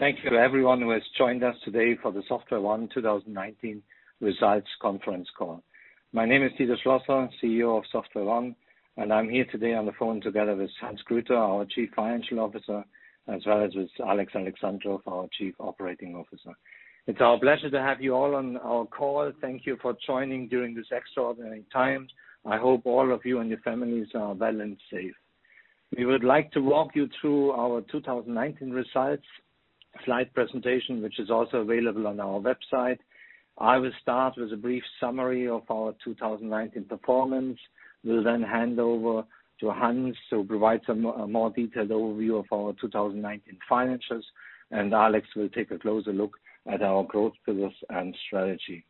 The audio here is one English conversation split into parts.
Thank you to everyone who has joined us today for the SoftwareONE 2019 Results Conference Call. My name is Dieter Schlosser, CEO of SoftwareONE, and I'm here today on the phone together with Hans Grüter, our Chief Financial Officer, as well as with Alex Alexandrov, our Chief Operating Officer. It's our pleasure to have you all on our call. Thank you for joining during this extraordinary time. I hope all of you and your families are well and safe. We would like to walk you through our 2019 results slide presentation, which is also available on our website. I will start with a brief summary of our 2019 performance, will then hand over to Hans, who'll provide some more detailed overview of our 2019 financials, and Alex will take a closer look at our growth pillars and strategy.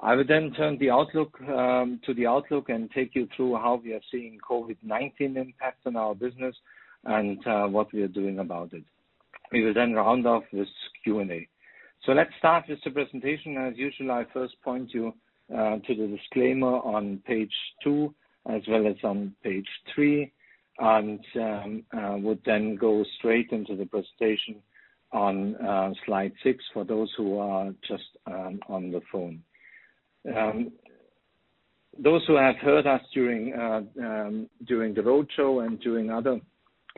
I will then turn to the outlook and take you through how we are seeing COVID-19 impacts on our business and what we are doing about it. We will then round off with Q&A. Let's start with the presentation. As usual, I first point you to the disclaimer on page two, as well as on page three. We then go straight into the presentation on slide six for those who are just on the phone. Those who have heard us during the roadshow and during other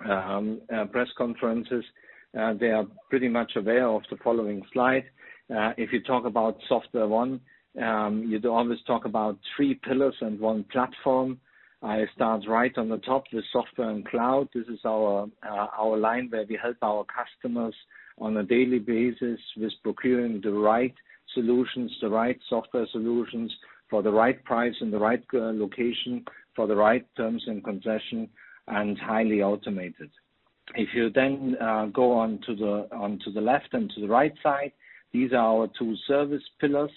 press conferences, they are pretty much aware of the following slide. If you talk about SoftwareONE, you always talk about three pillars and one platform. I start right on the top with software and cloud. This is our line where we help our customers on a daily basis with procuring the right solutions, the right software solutions for the right price in the right location for the right terms and concession, and highly automated. If you then go on to the left and to the right side, these are our two service pillars.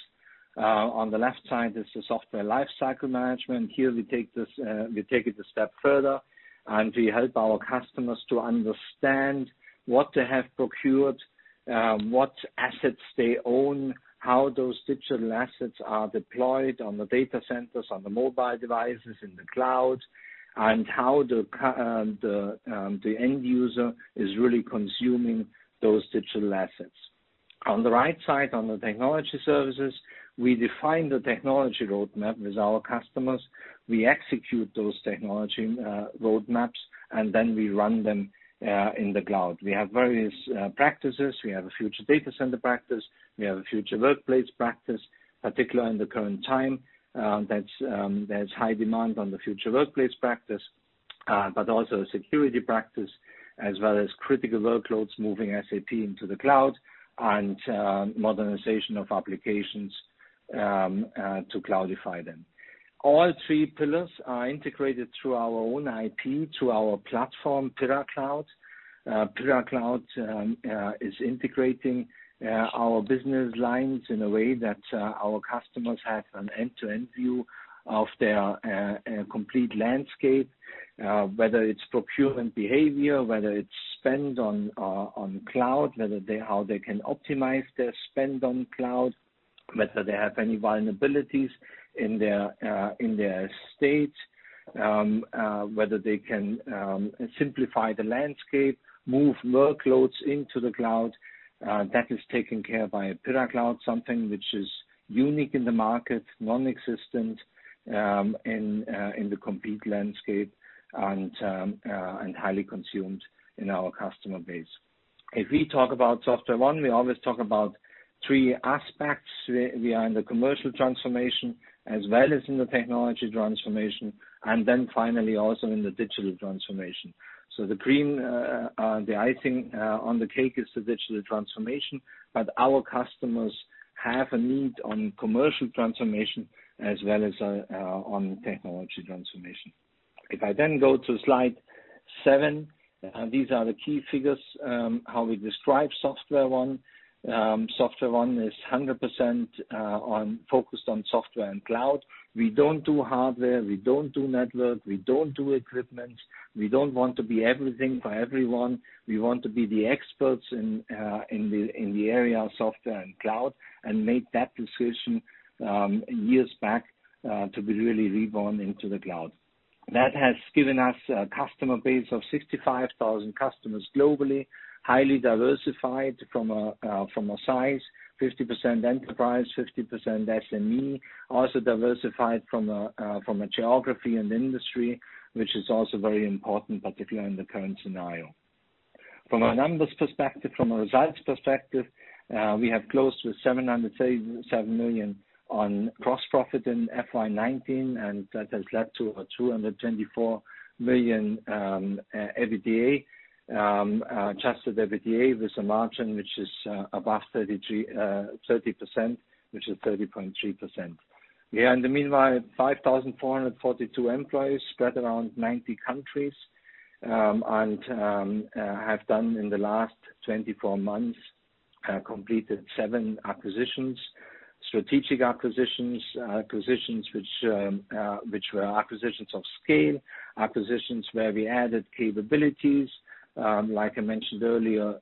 On the left side is the software lifecycle management. Here we take it a step further, and we help our customers to understand what they have procured, what assets they own, how those digital assets are deployed on the data centers, on the mobile devices, in the cloud, and how the end user is really consuming those digital assets. On the right side, on the technology services, we define the technology roadmap with our customers. We execute those technology roadmaps, and then we run them in the cloud. We have various practices. We have a future data center practice. We have a future workplace practice, particularly in the current time. There's high demand on the future workplace practice, but also a security practice, as well as critical workloads moving SAP into the cloud and modernization of applications to cloudify them. All three pillars are integrated through our own IP to our platform, PyraCloud. PyraCloud is integrating our business lines in a way that our customers have an end-to-end view of their complete landscape whether it's procurement behavior, whether it's spend on cloud, how they can optimize their spend on cloud, whether they have any vulnerabilities in their estates, whether they can simplify the landscape, move workloads into the cloud, that is taken care of by PyraCloud, something which is unique in the market, non-existent in the complete landscape, and highly consumed in our customer base. If we talk about SoftwareONE, we always talk about three aspects. We are in the commercial transformation as well as in the technology transformation, and then finally, also in the digital transformation. The icing on the cake is the digital transformation, but our customers have a need on commercial transformation as well as on technology transformation. If I then go to slide seven, these are the key figures, how we describe SoftwareONE. SoftwareONE is 100% focused on software and cloud. We don't do hardware, we don't do network, we don't do equipment. We don't want to be everything for everyone. We want to be the experts in the area of software and cloud, and made that decision years back to be really reborn into the cloud. That has given us a customer base of 65,000 customers globally, highly diversified from a size, 50% enterprise, 50% SME, also diversified from a geography and industry, which is also very important, particularly in the current scenario. From a numbers perspective, from a results perspective, we have closed with 737 million on gross profit in FY 2019, and that has led to a 224 million EBITDA, adjusted EBITDA with a margin which is above 30%, which is 30.3%. We are in the meanwhile 5,442 employees spread around 90 countries, and have done in the last 24 months, completed seven acquisitions, strategic acquisitions which were acquisitions of scale, acquisitions where we added capabilities, like I mentioned earlier,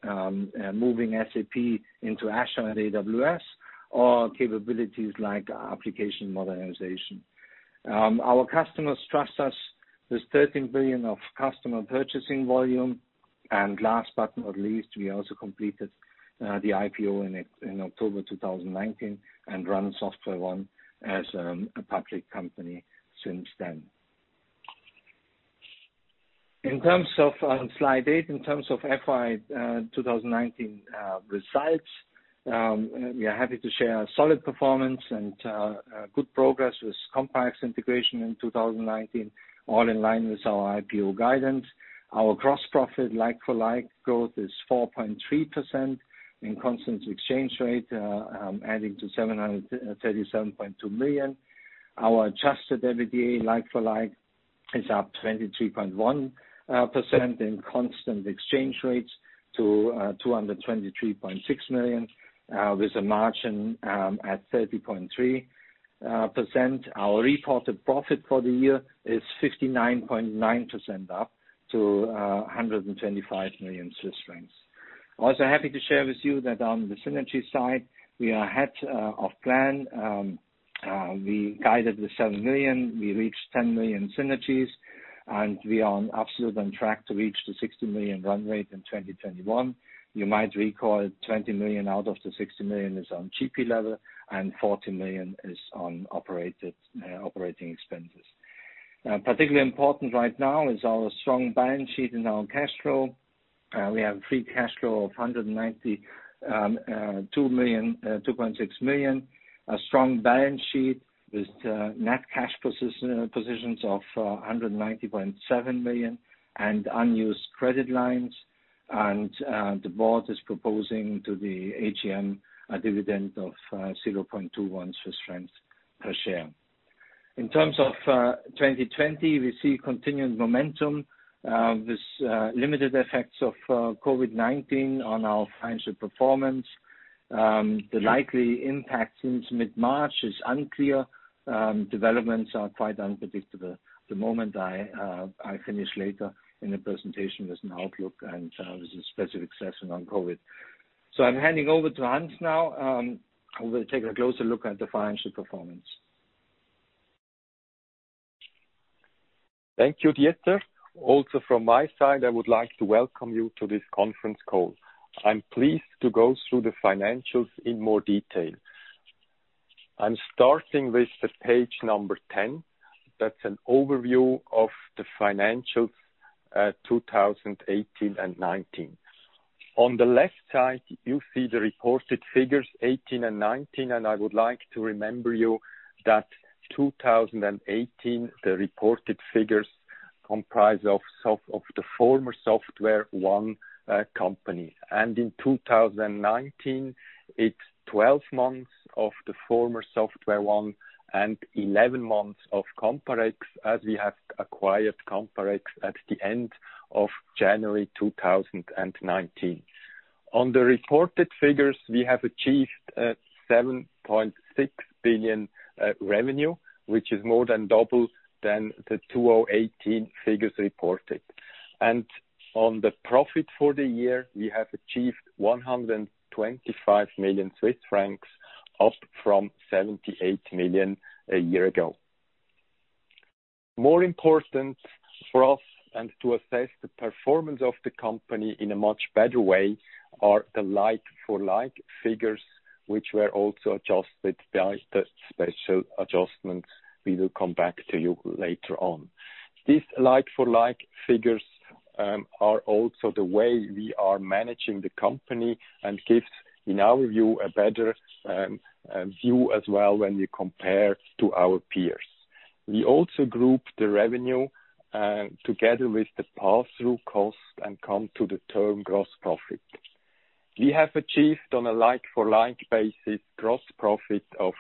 moving SAP into Azure and AWS, or capabilities like application modernization. Our customers trust us with 13 billion of customer purchasing volume. Last but not least, we also completed the IPO in October 2019 and run SoftwareONE as a public company since then. In terms of slide eight, in terms of FY 2019 results, we are happy to share a solid performance and good progress with COMPAREX integration in 2019, all in line with our IPO guidance. Our gross profit like-for-like growth is 4.3% in constant exchange rate, adding to 737.2 million. Our adjusted EBITDA like-for-like is up 23.1% in constant exchange rates to 223.6 million, with a margin at 30.3%. Our reported profit for the year is 59.9% up to 125 million Swiss francs. Also happy to share with you that on the synergy side, we are ahead of plan. We guided with 7 million, we reached 10 million synergies, and we are absolutely on track to reach the 60 million run rate in 2021. You might recall 20 million out of the 60 million is on GP level, and 40 million is on operating expenses. Particularly important right now is our strong balance sheet and our cash flow. We have free cash flow of 2.6 million, a strong balance sheet with net cash positions of 190.7 million and unused credit lines. The board is proposing to the AGM a dividend of 0.21 Swiss francs per share. In terms of 2020, we see continued momentum with limited effects of COVID-19 on our financial performance. The likely impact since mid-March is unclear. Developments are quite unpredictable. The moment I finish later in the presentation, there's an outlook and there's a specific session on COVID. I'm handing over to Hans now, who will take a closer look at the financial performance. Thank you, Dieter. Also from my side, I would like to welcome you to this conference call. I'm pleased to go through the financials in more detail. I'm starting with the page number 10. That's an overview of the financials 2018 and 2019. On the left side, you see the reported figures 2018 and 2019, and I would like to remember you that 2018, the reported figures comprise of the former SoftwareONE company. In 2019, it's 12 months of the former SoftwareONE and 11 months of COMPAREX, as we have acquired COMPAREX at the end of January 2019. On the reported figures, we have achieved 7.6 billion revenue, which is more than double than the 2018 figures reported. On the profit for the year, we have achieved 125 million Swiss francs, up from 78 million a year ago. More important for us and to assess the performance of the company in a much better way are the like-for-like figures, which were also adjusted by the special adjustments we will come back to you later on. These like-for-like figures are also the way we are managing the company and gives, in our view, a better view as well when we compare to our peers. We also group the revenue together with the pass-through cost and come to the term gross profit. We have achieved on a like-for-like basis gross profit of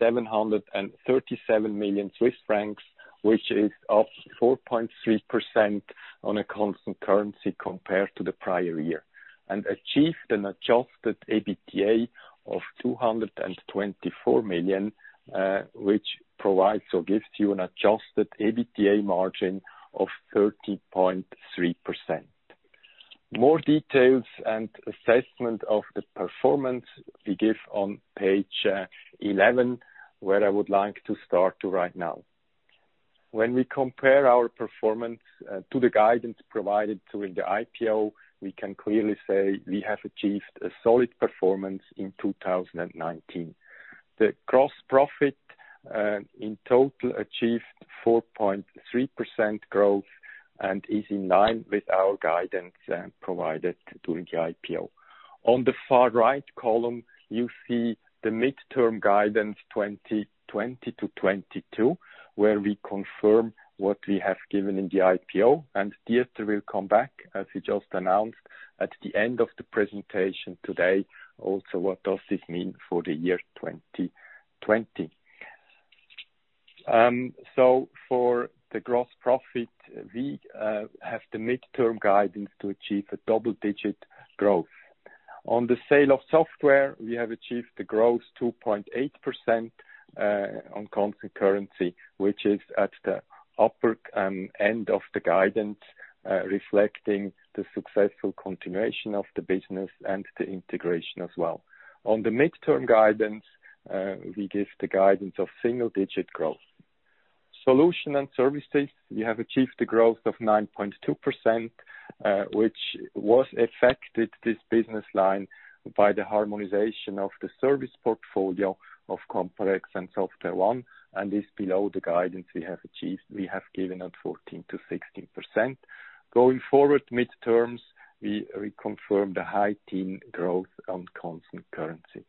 737 million Swiss francs, which is up 4.3% on a constant currency compared to the prior year, and achieved an adjusted EBITDA of 224 million, which provides or gives you an adjusted EBITDA margin of 30.3%. More details and assessment of the performance we give on page 11, where I would like to start to right now. When we compare our performance to the guidance provided during the IPO, we can clearly say we have achieved a solid performance in 2019. The gross profit in total achieved 4.3% growth and is in line with our guidance provided during the IPO. On the far right column, you see the midterm guidance 2020-2022, where we confirm what we have given in the IPO. Dieter will come back, as he just announced, at the end of the presentation today, also, what does this mean for the year 2020. For the gross profit, we have the midterm guidance to achieve a double-digit growth. On the sale of software, we have achieved the growth 2.8% on constant currency, which is at the upper end of the guidance, reflecting the successful continuation of the business and the integration as well. On the midterm guidance, we give the guidance of single-digit growth. Solution and services, we have achieved the growth of 9.2%, which was affected, this business line, by the harmonization of the service portfolio of COMPAREX and SoftwareONE, and is below the guidance we have given at 14%-16%. Going forward, midterms, we reconfirm the high-teen growth on constant currency.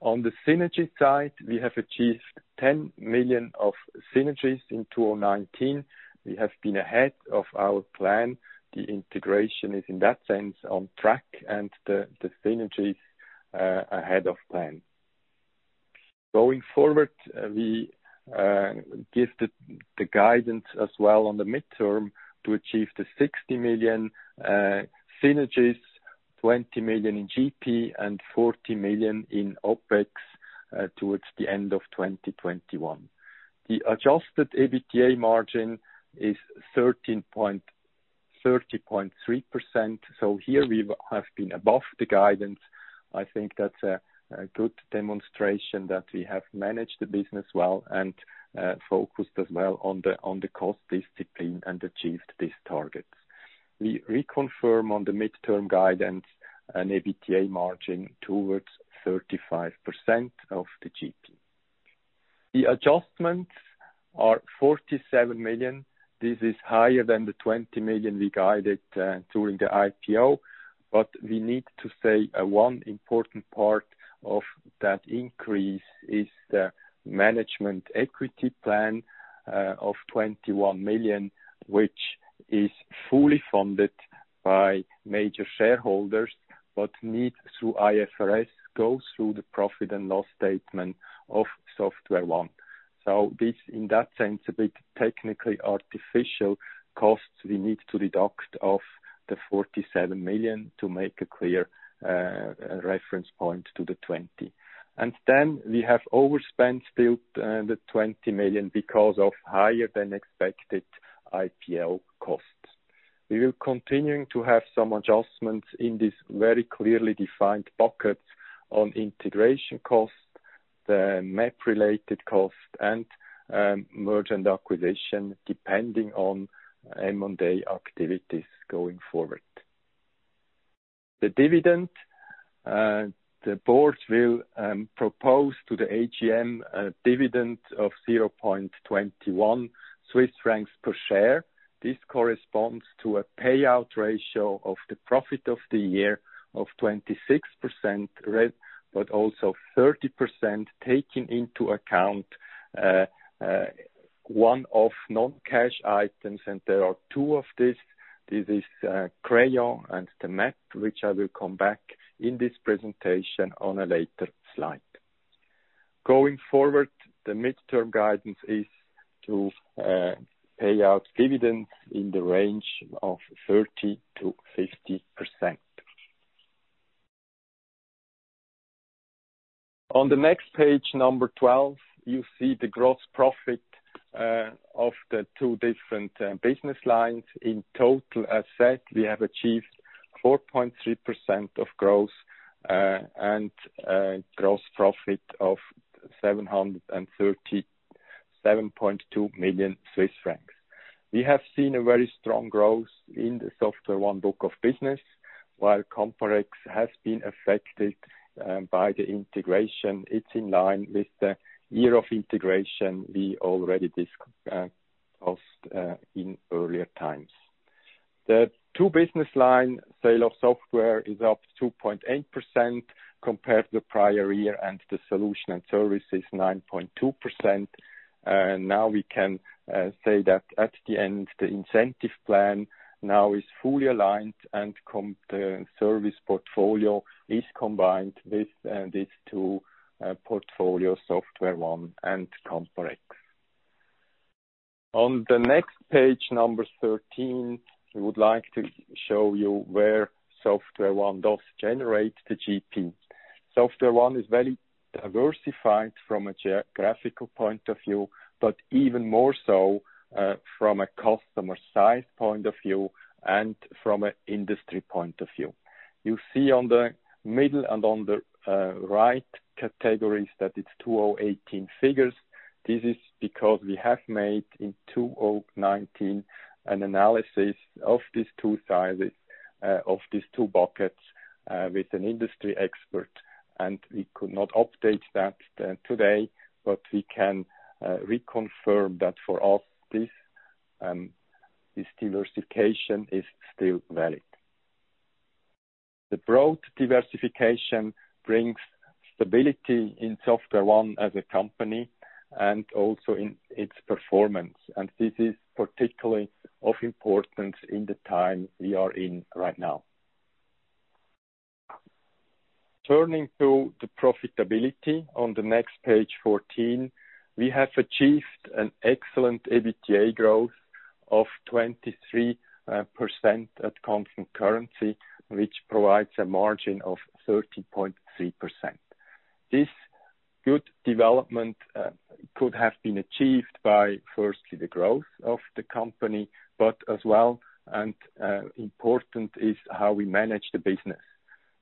On the synergy side, we have achieved 10 million of synergies in 2019. We have been ahead of our plan. The integration is, in that sense, on track and the synergies are ahead of plan. Going forward, we give the guidance as well on the midterm to achieve the 60 million synergies, 20 million in GP and 40 million in OpEx towards the end of 2021. The adjusted EBITDA margin is 30.3%. Here we have been above the guidance. I think that's a good demonstration that we have managed the business well and focused as well on the cost discipline and achieved these targets. We reconfirm on the midterm guidance an EBITDA margin towards 35% of the GP. The adjustments are 47 million. This is higher than the 20 million we guided during the IPO, but we need to say one important part of that increase is the management equity plan of 21 million, which is fully funded by major shareholders, but need, through IFRS, go through the profit and loss statement of SoftwareONE. This, in that sense, a bit technically artificial costs we need to deduct off the 47 million to make a clear reference point to the 20. We have overspent still the 20 million because of higher than expected IPO costs. We will continuing to have some adjustments in this very clearly defined bucket on integration costs, the MAP-related cost, and M&A, depending on M&A activities going forward. The dividend, the board will propose to the AGM a dividend of 0.21 Swiss francs per share. This corresponds to a payout ratio of the profit of the year of 26%, but also 30% taking into account one of non-cash items. There are two of these. This is Crayon and the MAP, which I will come back in this presentation on a later slide. Going forward, the midterm guidance is to pay out dividends in the range of 30%-50%. On the next page, number 12, you see the gross profit of the two different business lines. In total asset, we have achieved 4.3% of gross and gross profit of 737.2 million Swiss francs. We have seen a very strong growth in the SoftwareONE book of business, while COMPAREX has been affected by the integration. It's in line with the year of integration we already discussed in earlier times. The two business line sale of software is up 2.8% compared to the prior year, and the solution and service is 9.2%. Now we can say that at the end, the incentive plan now is fully aligned and service portfolio is combined with these two portfolio, SoftwareONE and COMPAREX. On the next page, number 13, we would like to show you where SoftwareONE does generate the GP. SoftwareONE is very diversified from a geographical point of view, but even more so from a customer size point of view and from an industry point of view. You see on the middle and on the right categories that it's 2018 figures. This is because we have made, in 2019, an analysis of these two sizes, of these two buckets, with an industry expert, and we could not update that today, but we can reconfirm that for us, this diversification is still valid. The broad diversification brings stability in SoftwareONE as a company and also in its performance, and this is particularly of importance in the time we are in right now. Turning to the profitability on the next page 14, we have achieved an excellent EBITDA growth of 23% at constant currency, which provides a margin of 30.3%. This good development could have been achieved by, firstly, the growth of the company, but as well, and important, is how we manage the business.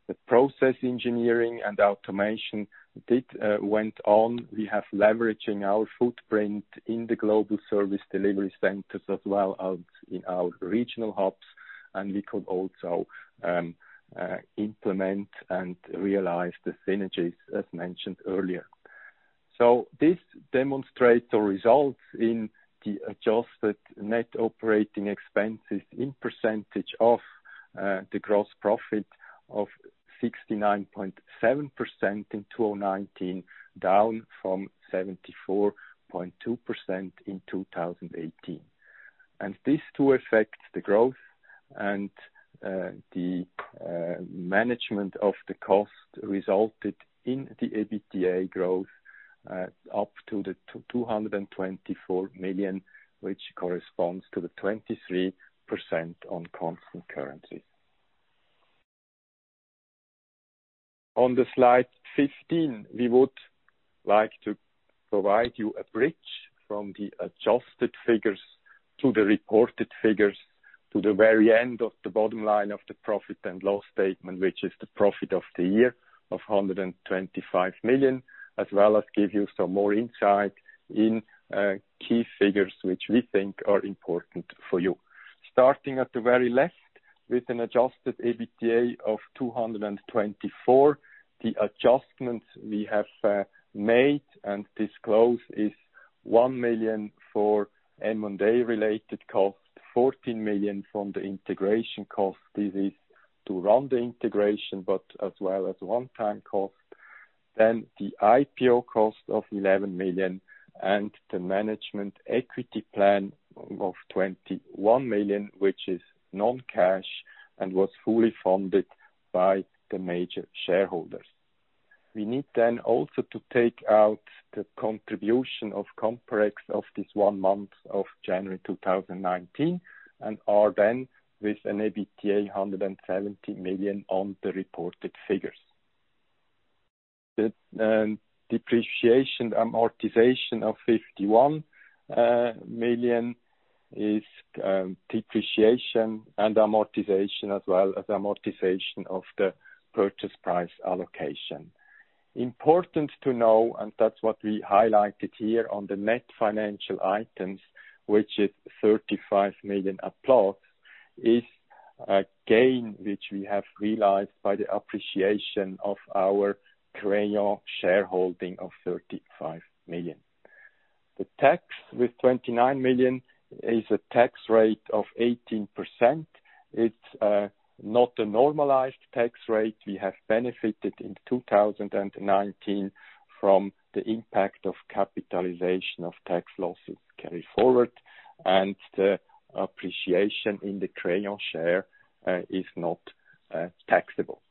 The process engineering and automation did went on. We have leveraging our footprint in the global service delivery centers as well as in our regional hubs, we could also implement and realize the synergies as mentioned earlier. This demonstrates the results in the adjusted net operating expenses in percentage of the gross profit of 69.7% in 2019, down from 74.2% in 2018. These two affect the growth and the management of the cost resulted in the EBITDA growth up to the 224 million, which corresponds to the 23% on constant currency. On the slide 15, we would like to provide you a bridge from the adjusted figures to the reported figures to the very end of the bottom line of the profit and loss statement, which is the profit of the year of 125 million, as well as give you some more insight in key figures which we think are important for you. Starting at the very left with an adjusted EBITDA of 224, the adjustments we have made and disclose is 1 million for M&A related cost, 14 million from the integration cost. This is to run the integration, but as well as one-time cost. The IPO cost of 11 million and the management equity plan of 21 million, which is non-cash and was fully funded by the major shareholders. We need then also to take out the contribution of COMPAREX of this one month of January 2019, and are then with an EBITDA 170 million on the reported figures. The depreciation amortization of 51 million is depreciation and amortization, as well as amortization of the purchase price allocation. Important to know, that's what we highlighted here on the net financial items, which is 35 million at plus, is a gain which we have realized by the appreciation of our Crayon shareholding of 35 million. The tax with 29 million is a tax rate of 18%. It's not a normalized tax rate. We have benefited in 2019 from the impact of capitalization of tax losses carry forward and appreciation in the Crayon share is not taxable.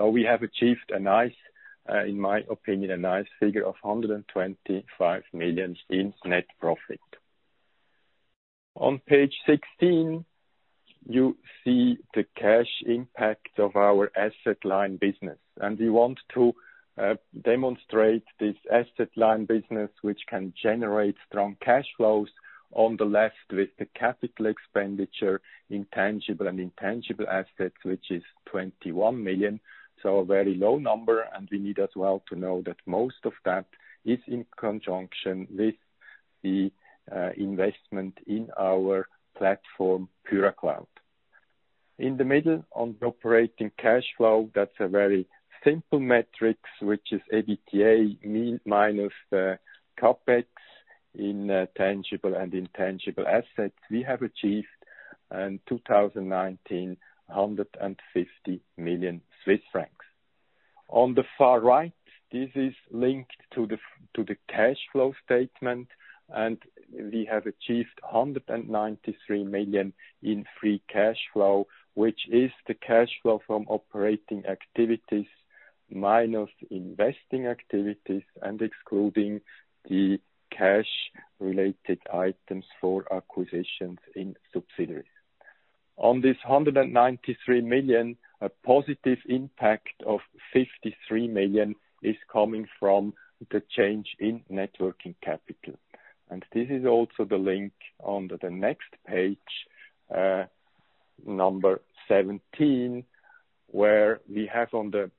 We have achieved, in my opinion, a nice figure of 125 million in net profit. On page 16, you see the cash impact of our asset-light business. We want to demonstrate this asset-light business which can generate strong cash flows on the left with the CapEx, tangible and intangible assets, which is 21 million. A very low number. We need as well to know that most of that is in conjunction with the investment in our platform, PyraCloud. In the middle on the operating cash flow, that's a very simple metrics, which is EBITDA minus the CapEx in tangible and intangible assets. We have achieved in 2019, 150 million Swiss francs. On the far right, this is linked to the cash flow statement, and we have achieved 193 million in free cash flow, which is the cash flow from operating activities minus investing activities and excluding the cash-related items for acquisitions in subsidiaries. On this 193 million, a positive impact of 53 million is coming from the change in net working capital. This is also the link on the next page, number 17, where we have on the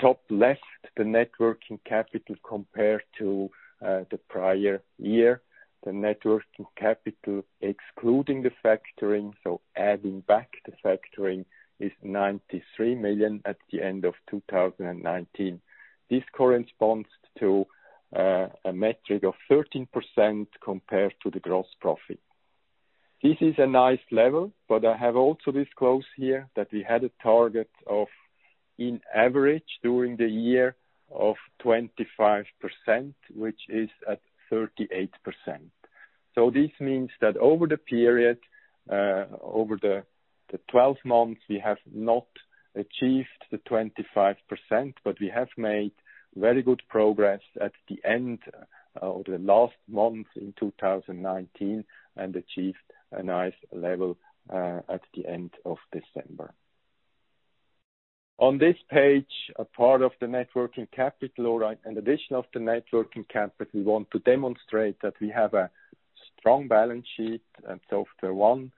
top left the net working capital compared to the prior year. The net working capital excluding the factoring, so adding back the factoring is 93 million at the end of 2019. This corresponds to a metric of 13% compared to the gross profit. This is a nice level, I have also disclosed here that we had a target of in average during the year of 25%, which is at 38%. This means that over the period, over the 12 months, we have not achieved the 25%, we have made very good progress at the end of the last month in 2019 and achieved a nice level at the end of December. On this page, a part of the net working capital, or in addition of the net working capital, we want to demonstrate that we have a strong balance sheet at SoftwareONE,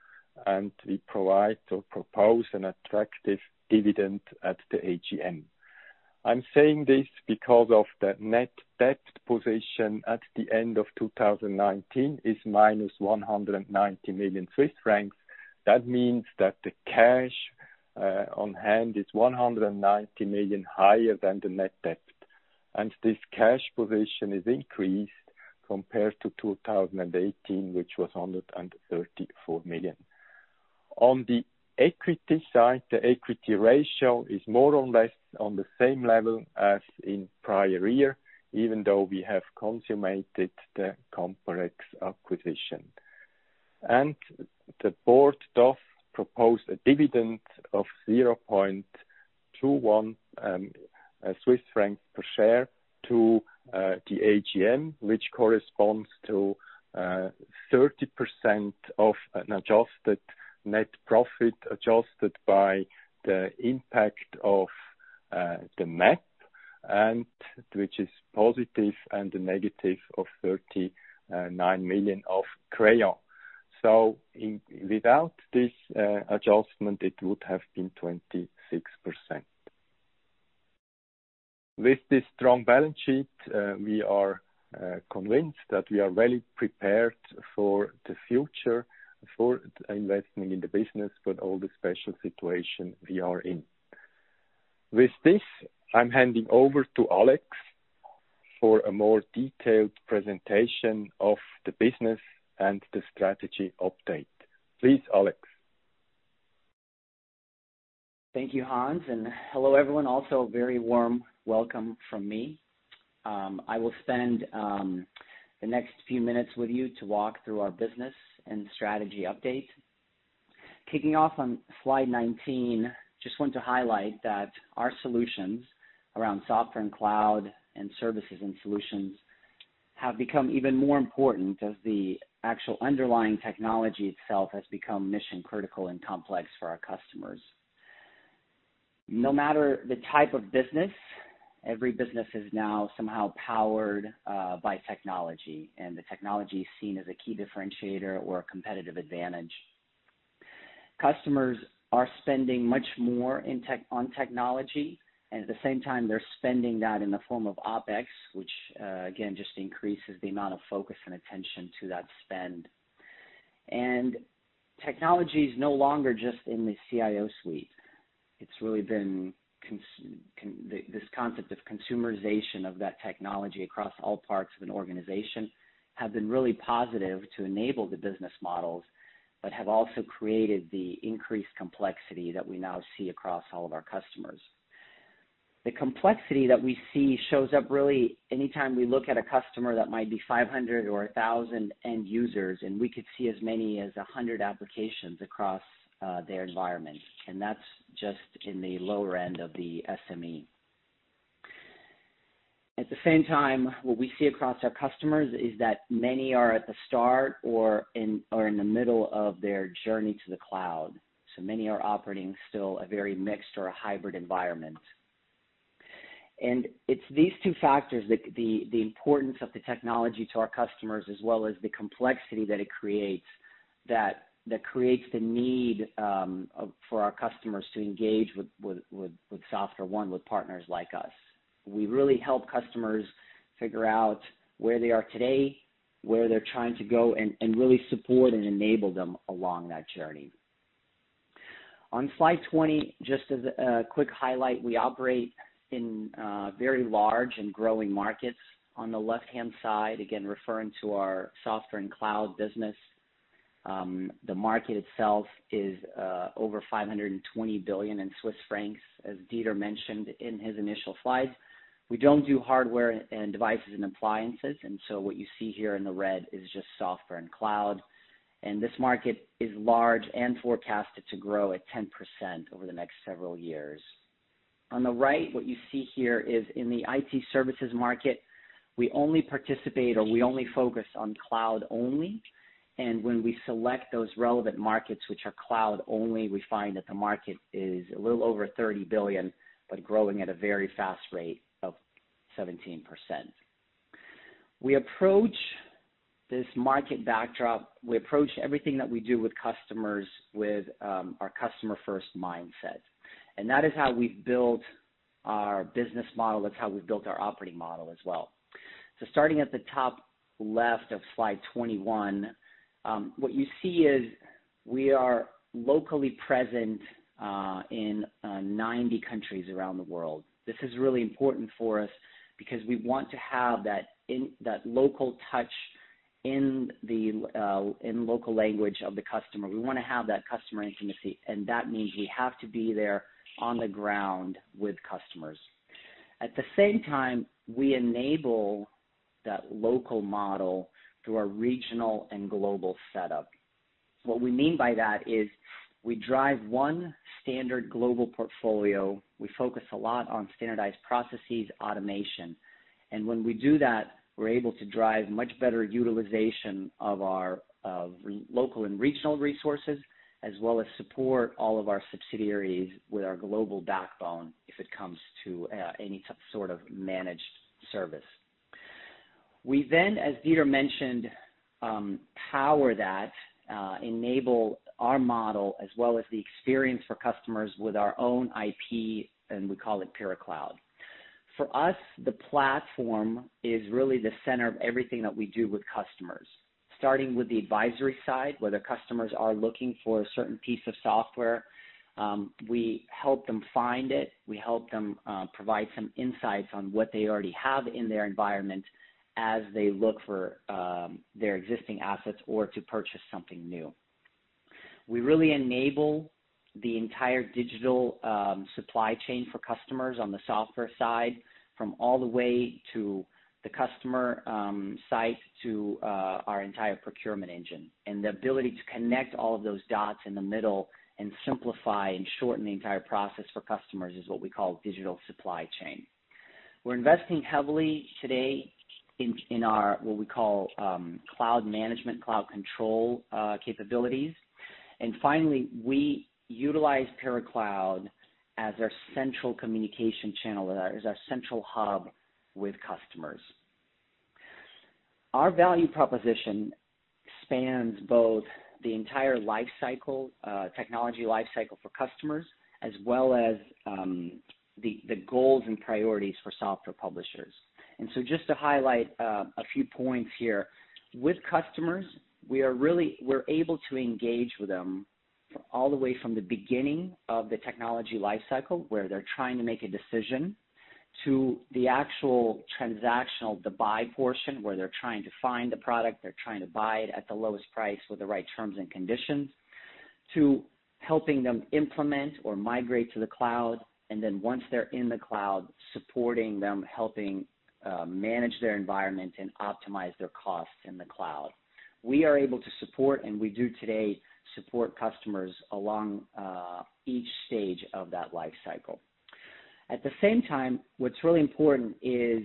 and we provide or propose an attractive dividend at the AGM. I'm saying this because of the net debt position at the end of 2019 is -190 million Swiss francs. That means that the cash on hand is 190 million higher than the net debt. This cash position is increased compared to 2018, which was 134 million. On the equity side, the equity ratio is more or less on the same level as in prior year, even though we have consummated the complex acquisition. The board does propose a dividend of 0.21 Swiss francs per share to the AGM, which corresponds to 30% of an adjusted net profit, adjusted by the impact of the MAP, which is positive, and the negative of 39 million of Crayon. Without this adjustment, it would have been 26%. With this strong balance sheet, we are convinced that we are well prepared for the future, for investing in the business for all the special situation we are in. With this, I'm handing over to Alex for a more detailed presentation of the business and the strategy update. Please, Alex. Thank you, Hans. Hello everyone. Very warm welcome from me. I will spend the next few minutes with you to walk through our business and strategy update. Kicking off on slide 19, just want to highlight that our solutions around software and cloud, and services and solutions, have become even more important as the actual underlying technology itself has become mission-critical and complex for our customers. No matter the type of business, every business is now somehow powered by technology, and the technology is seen as a key differentiator or a competitive advantage. Customers are spending much more on technology, and at the same time, they're spending that in the form of OpEx, which again, just increases the amount of focus and attention to that spend. Technology's no longer just in the CIO suite. This concept of consumerization of that technology across all parts of an organization have been really positive to enable the business models, but have also created the increased complexity that we now see across all of our customers. The complexity that we see shows up really any time we look at a customer that might be 500 or 1,000 end users, and we could see as many as 100 applications across their environment. And that's just in the lower end of the SME. At the same time, what we see across our customers is that many are at the start or are in the middle of their journey to the cloud, so many are operating still a very mixed or a hybrid environment. It's these two factors, the importance of the technology to our customers as well as the complexity that it creates, that creates the need for our customers to engage with SoftwareONE, with partners like us. We really help customers figure out where they are today, where they're trying to go, and really support and enable them along that journey. On slide 20, just as a quick highlight, we operate in very large and growing markets. On the left-hand side, again, referring to our software and cloud business. The market itself is over 520 billion, as Dieter mentioned in his initial slides. We don't do hardware and devices and appliances, what you see here in the red is just software and cloud. This market is large and forecasted to grow at 10% over the next several years. On the right, what you see here is in the IT services market, we only participate or we only focus on cloud only. When we select those relevant markets, which are cloud only, we find that the market is a little over 30 billion, but growing at a very fast rate of 17%. We approach this market backdrop, we approach everything that we do with customers, with our customer-first mindset. That is how we've built our business model. That's how we've built our operating model as well. Starting at the top left of slide 21, what you see is we are locally present in 90 countries around the world. This is really important for us because we want to have that local touch in local language of the customer. We want to have that customer intimacy, and that means we have to be there on the ground with customers. At the same time, we enable that local model through our regional and global setup. What we mean by that is we drive one standard global portfolio. We focus a lot on standardized processes, automation. When we do that, we're able to drive much better utilization of our local and regional resources, as well as support all of our subsidiaries with our global backbone if it comes to any sort of managed service. We then, as Dieter mentioned, power that, enable our model as well as the experience for customers with our own IP. We call it PyraCloud. For us, the platform is really the center of everything that we do with customers. Starting with the advisory side, where the customers are looking for a certain piece of software, we help them find it, we help them provide some insights on what they already have in their environment as they look for their existing assets or to purchase something new. We really enable the entire digital supply chain for customers on the software side, from all the way to the customer site to our entire procurement engine. The ability to connect all of those dots in the middle and simplify and shorten the entire process for customers is what we call digital supply chain. We're investing heavily today in what we call cloud management, cloud control capabilities. Finally, we utilize PyraCloud as our central communication channel, as our central hub with customers. Our value proposition spans both the entire technology life cycle for customers, as well as the goals and priorities for software publishers. Just to highlight a few points here. With customers, we're able to engage with them all the way from the beginning of the technology life cycle, where they're trying to make a decision, to the actual transactional, the buy portion, where they're trying to find the product, they're trying to buy it at the lowest price with the right terms and conditions, to helping them implement or migrate to the cloud. Once they're in the cloud, supporting them, helping manage their environment and optimize their costs in the cloud. We are able to support, and we do today, support customers along each stage of that life cycle. At the same time, what's really important is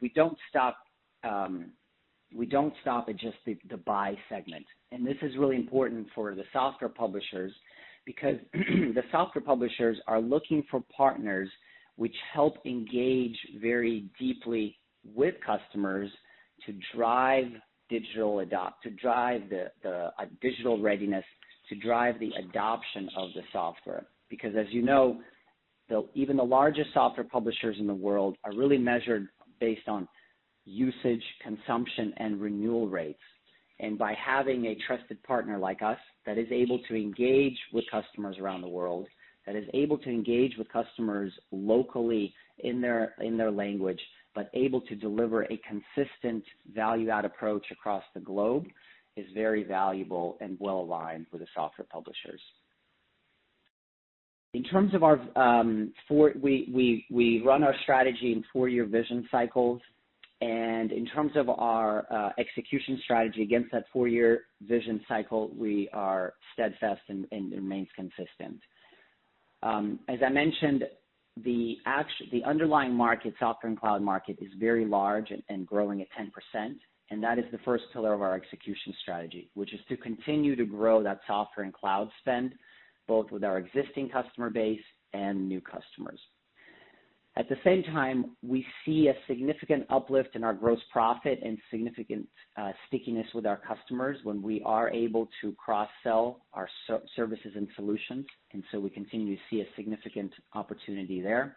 we don't stop at just the buy segment. This is really important for the software publishers, because the software publishers are looking for partners which help engage very deeply with customers to drive the digital readiness, to drive the adoption of the software. As you know, even the largest software publishers in the world are really measured based on usage, consumption, and renewal rates. By having a trusted partner like us that is able to engage with customers around the world, that is able to engage with customers locally in their language, but able to deliver a consistent value-add approach across the globe, is very valuable and well-aligned for the software publishers. We run our strategy in four-year vision cycles, and in terms of our execution strategy against that four-year vision cycle, we are steadfast and remain consistent. As I mentioned, the underlying market, software and cloud market, is very large and growing at 10%, and that is the first pillar of our execution strategy, which is to continue to grow that software and cloud spend, both with our existing customer base and new customers. At the same time, we see a significant uplift in our gross profit and significant stickiness with our customers when we are able to cross-sell our services and solutions. We continue to see a significant opportunity there.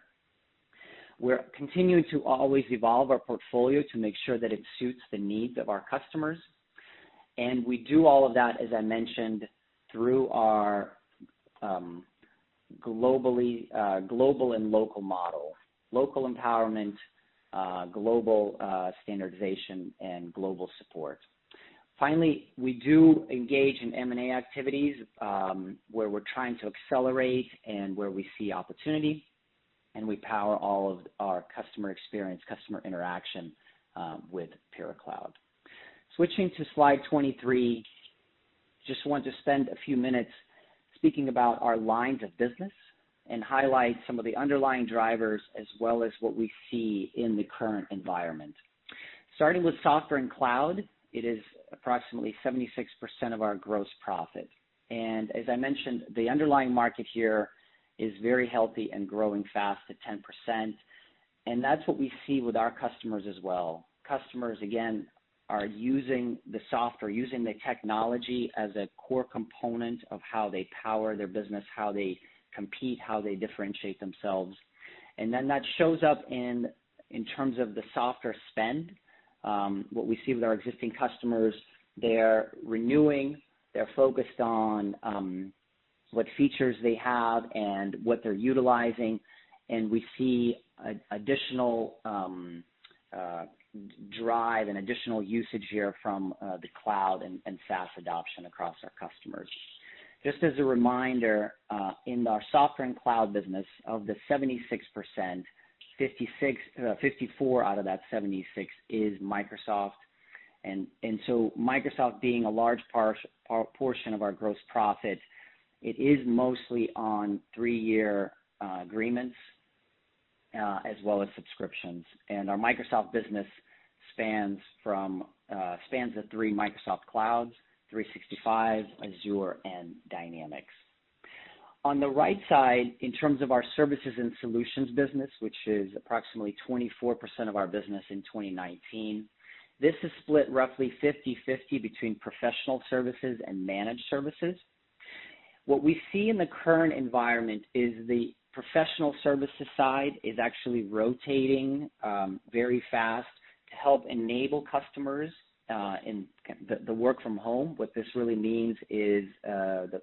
We're continuing to always evolve our portfolio to make sure that it suits the needs of our customers. We do all of that, as I mentioned, through our global and local model, local empowerment, global standardization, and global support. Finally, we do engage in M&A activities, where we're trying to accelerate and where we see opportunity, and we power all of our customer experience, customer interaction, with PyraCloud. Switching to slide 23, just want to spend a few minutes speaking about our lines of business and highlight some of the underlying drivers, as well as what we see in the current environment. Starting with software and cloud, it is approximately 76% of our gross profit. As I mentioned, the underlying market here is very healthy and growing fast at 10%, and that's what we see with our customers as well. Customers, again, are using the software, using the technology as a core component of how they power their business, how they compete, how they differentiate themselves. That shows up in terms of the software spend. What we see with our existing customers, they're renewing, they're focused on what features they have and what they're utilizing, and we see additional drive and additional usage here from the cloud and SaaS adoption across our customers. Just as a reminder, in our software and cloud business, of the 76%, 54 out of that 76 is Microsoft. Microsoft being a large portion of our gross profit, it is mostly on three-year agreements, as well as subscriptions. Our Microsoft business spans the three Microsoft clouds, Microsoft 365, Azure, and Dynamics. On the right side, in terms of our services and solutions business, which is approximately 24% of our business in 2019, this is split roughly 50/50 between professional services and managed services. What we see in the current environment is the professional services side is actually rotating very fast to help enable customers in the work from home. What this really means is,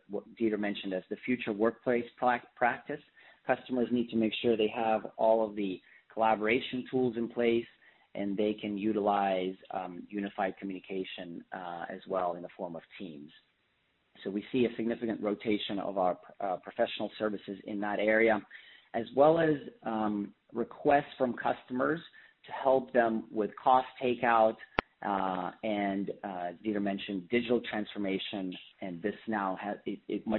what Dieter mentioned as the future workplace practice. Customers need to make sure they have all of the collaboration tools in place, and they can utilize unified communication as well in the form of Teams. We see a significant rotation of our professional services in that area, as well as requests from customers to help them with cost takeout, and Dieter mentioned digital transformation, and this now is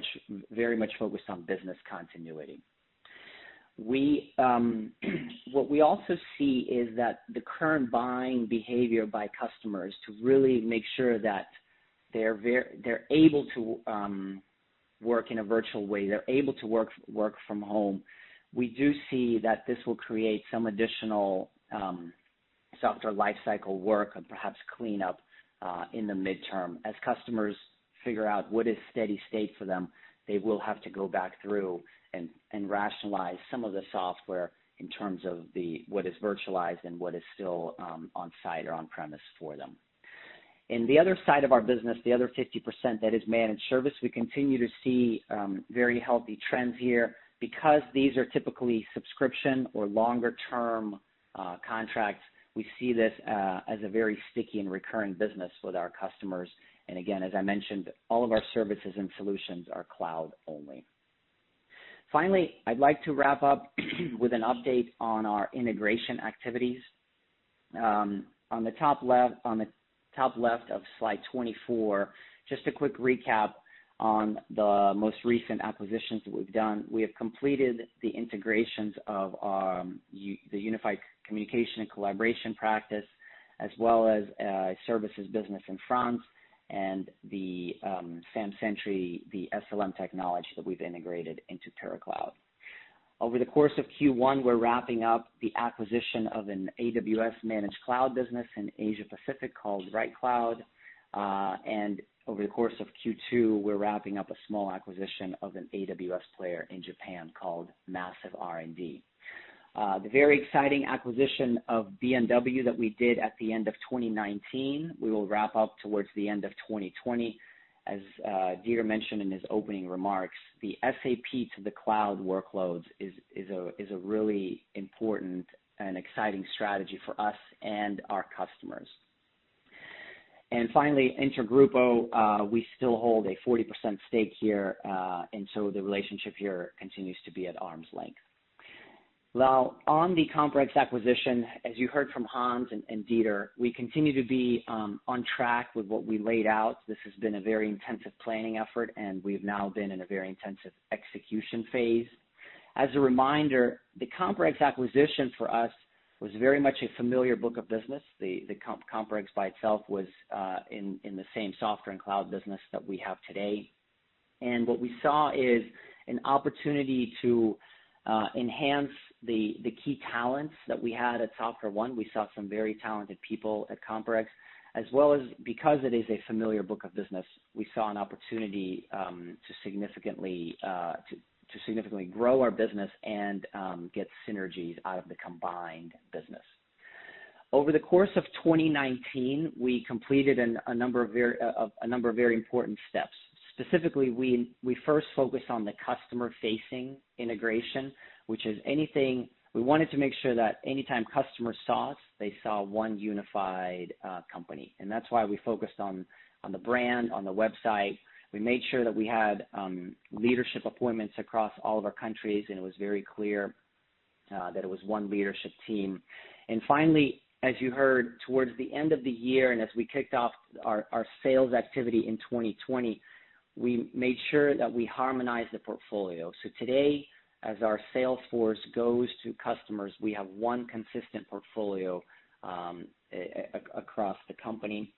very much focused on business continuity. What we also see is that the current buying behavior by customers to really make sure that they're able to work in a virtual way, they're able to work from home. We do see that this will create some additional software life cycle work or perhaps cleanup, in the midterm. As customers figure out what is steady state for them, they will have to go back through and rationalize some of the software in terms of what is virtualized and what is still on-site or on-premise for them. In the other side of our business, the other 50% that is managed service, we continue to see very healthy trends here. These are typically subscription or longer-term contracts, we see this as a very sticky and recurring business with our customers. Again, as I mentioned, all of our services and solutions are cloud-only. Finally, I'd like to wrap up with an update on our integration activities. On the top left of slide 24, just a quick recap on the most recent acquisitions that we've done. We have completed the integrations of the unified communication and collaboration practice, as well as services business in France and the SAMSentry, the SLM technology that we've integrated into PyraCloud. Over the course of Q1, we're wrapping up the acquisition of an AWS managed cloud business in Asia-Pacific called RightCloud. Over the course of Q2, we're wrapping up a small acquisition of an AWS player in Japan called Massive R&D. The very exciting acquisition of BNW that we did at the end of 2019, we will wrap up towards the end of 2020. As Dieter mentioned in his opening remarks, the SAP to the cloud workloads is a really important and exciting strategy for us and our customers. Finally, InterGrupo, we still hold a 40% stake here, and so the relationship here continues to be at arm's length. Now, on the COMPAREX acquisition, as you heard from Hans and Dieter, we continue to be on track with what we laid out. This has been a very intensive planning effort, and we've now been in a very intensive execution phase. As a reminder, the COMPAREX acquisition for us was very much a familiar book of business. The COMPAREX by itself was in the same software and cloud business that we have today. What we saw is an opportunity to enhance the key talents that we had at SoftwareONE. We saw some very talented people at COMPAREX, as well as because it is a familiar book of business, we saw an opportunity to significantly grow our business and get synergies out of the combined business. Over the course of 2019, we completed a number of very important steps. Specifically, we first focused on the customer-facing integration, we wanted to make sure that anytime customers saw us, they saw one unified company. That's why we focused on the brand, on the website. We made sure that we had leadership appointments across all of our countries, and it was very clear that it was one leadership team. Finally, as you heard towards the end of the year, and as we kicked off our sales activity in 2020, we made sure that we harmonized the portfolio. Today, as our sales force goes to customers, we have one consistent portfolio across the company.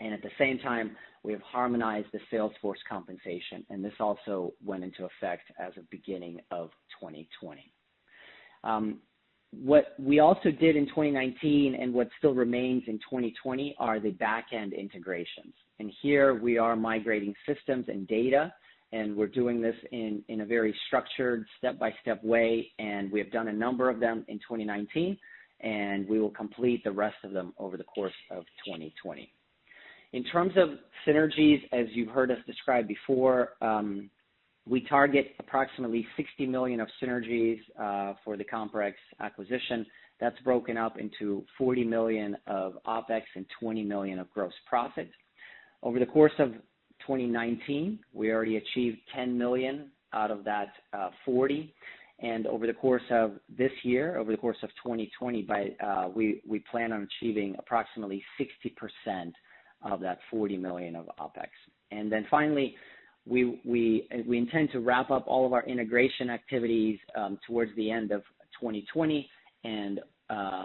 At the same time, we have harmonized the sales force compensation, and this also went into effect as of beginning of 2020. What we also did in 2019 and what still remains in 2020 are the back-end integrations. Here we are migrating systems and data, and we're doing this in a very structured step-by-step way, and we have done a number of them in 2019, and we will complete the rest of them over the course of 2020. In terms of synergies, as you've heard us describe before, we target approximately 60 million of synergies for the COMPAREX acquisition. That's broken up into 40 million of OpEx and 20 million of gross profit. Over the course of 2019, we already achieved 10 million out of that 40 million. Over the course of this year, over the course of 2020, we plan on achieving approximately 60% of that 40 million of OpEx. Then finally, we intend to wrap up all of our integration activities towards the end of 2020.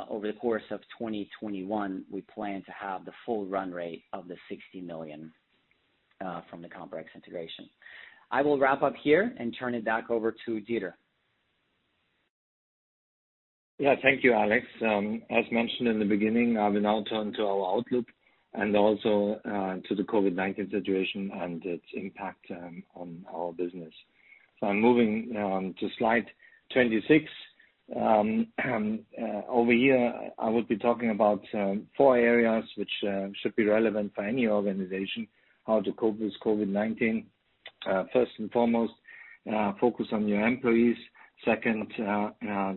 Over the course of 2021, we plan to have the full run rate of the 60 million from the COMPAREX integration. I will wrap up here and turn it back over to Dieter. Thank you, Alex. As mentioned in the beginning, I will now turn to our outlook and also to the COVID-19 situation and its impact on our business. I'm moving now to slide 26. Over here, I will be talking about four areas which should be relevant for any organization. How to cope with COVID-19. First and foremost, focus on your employees. Second,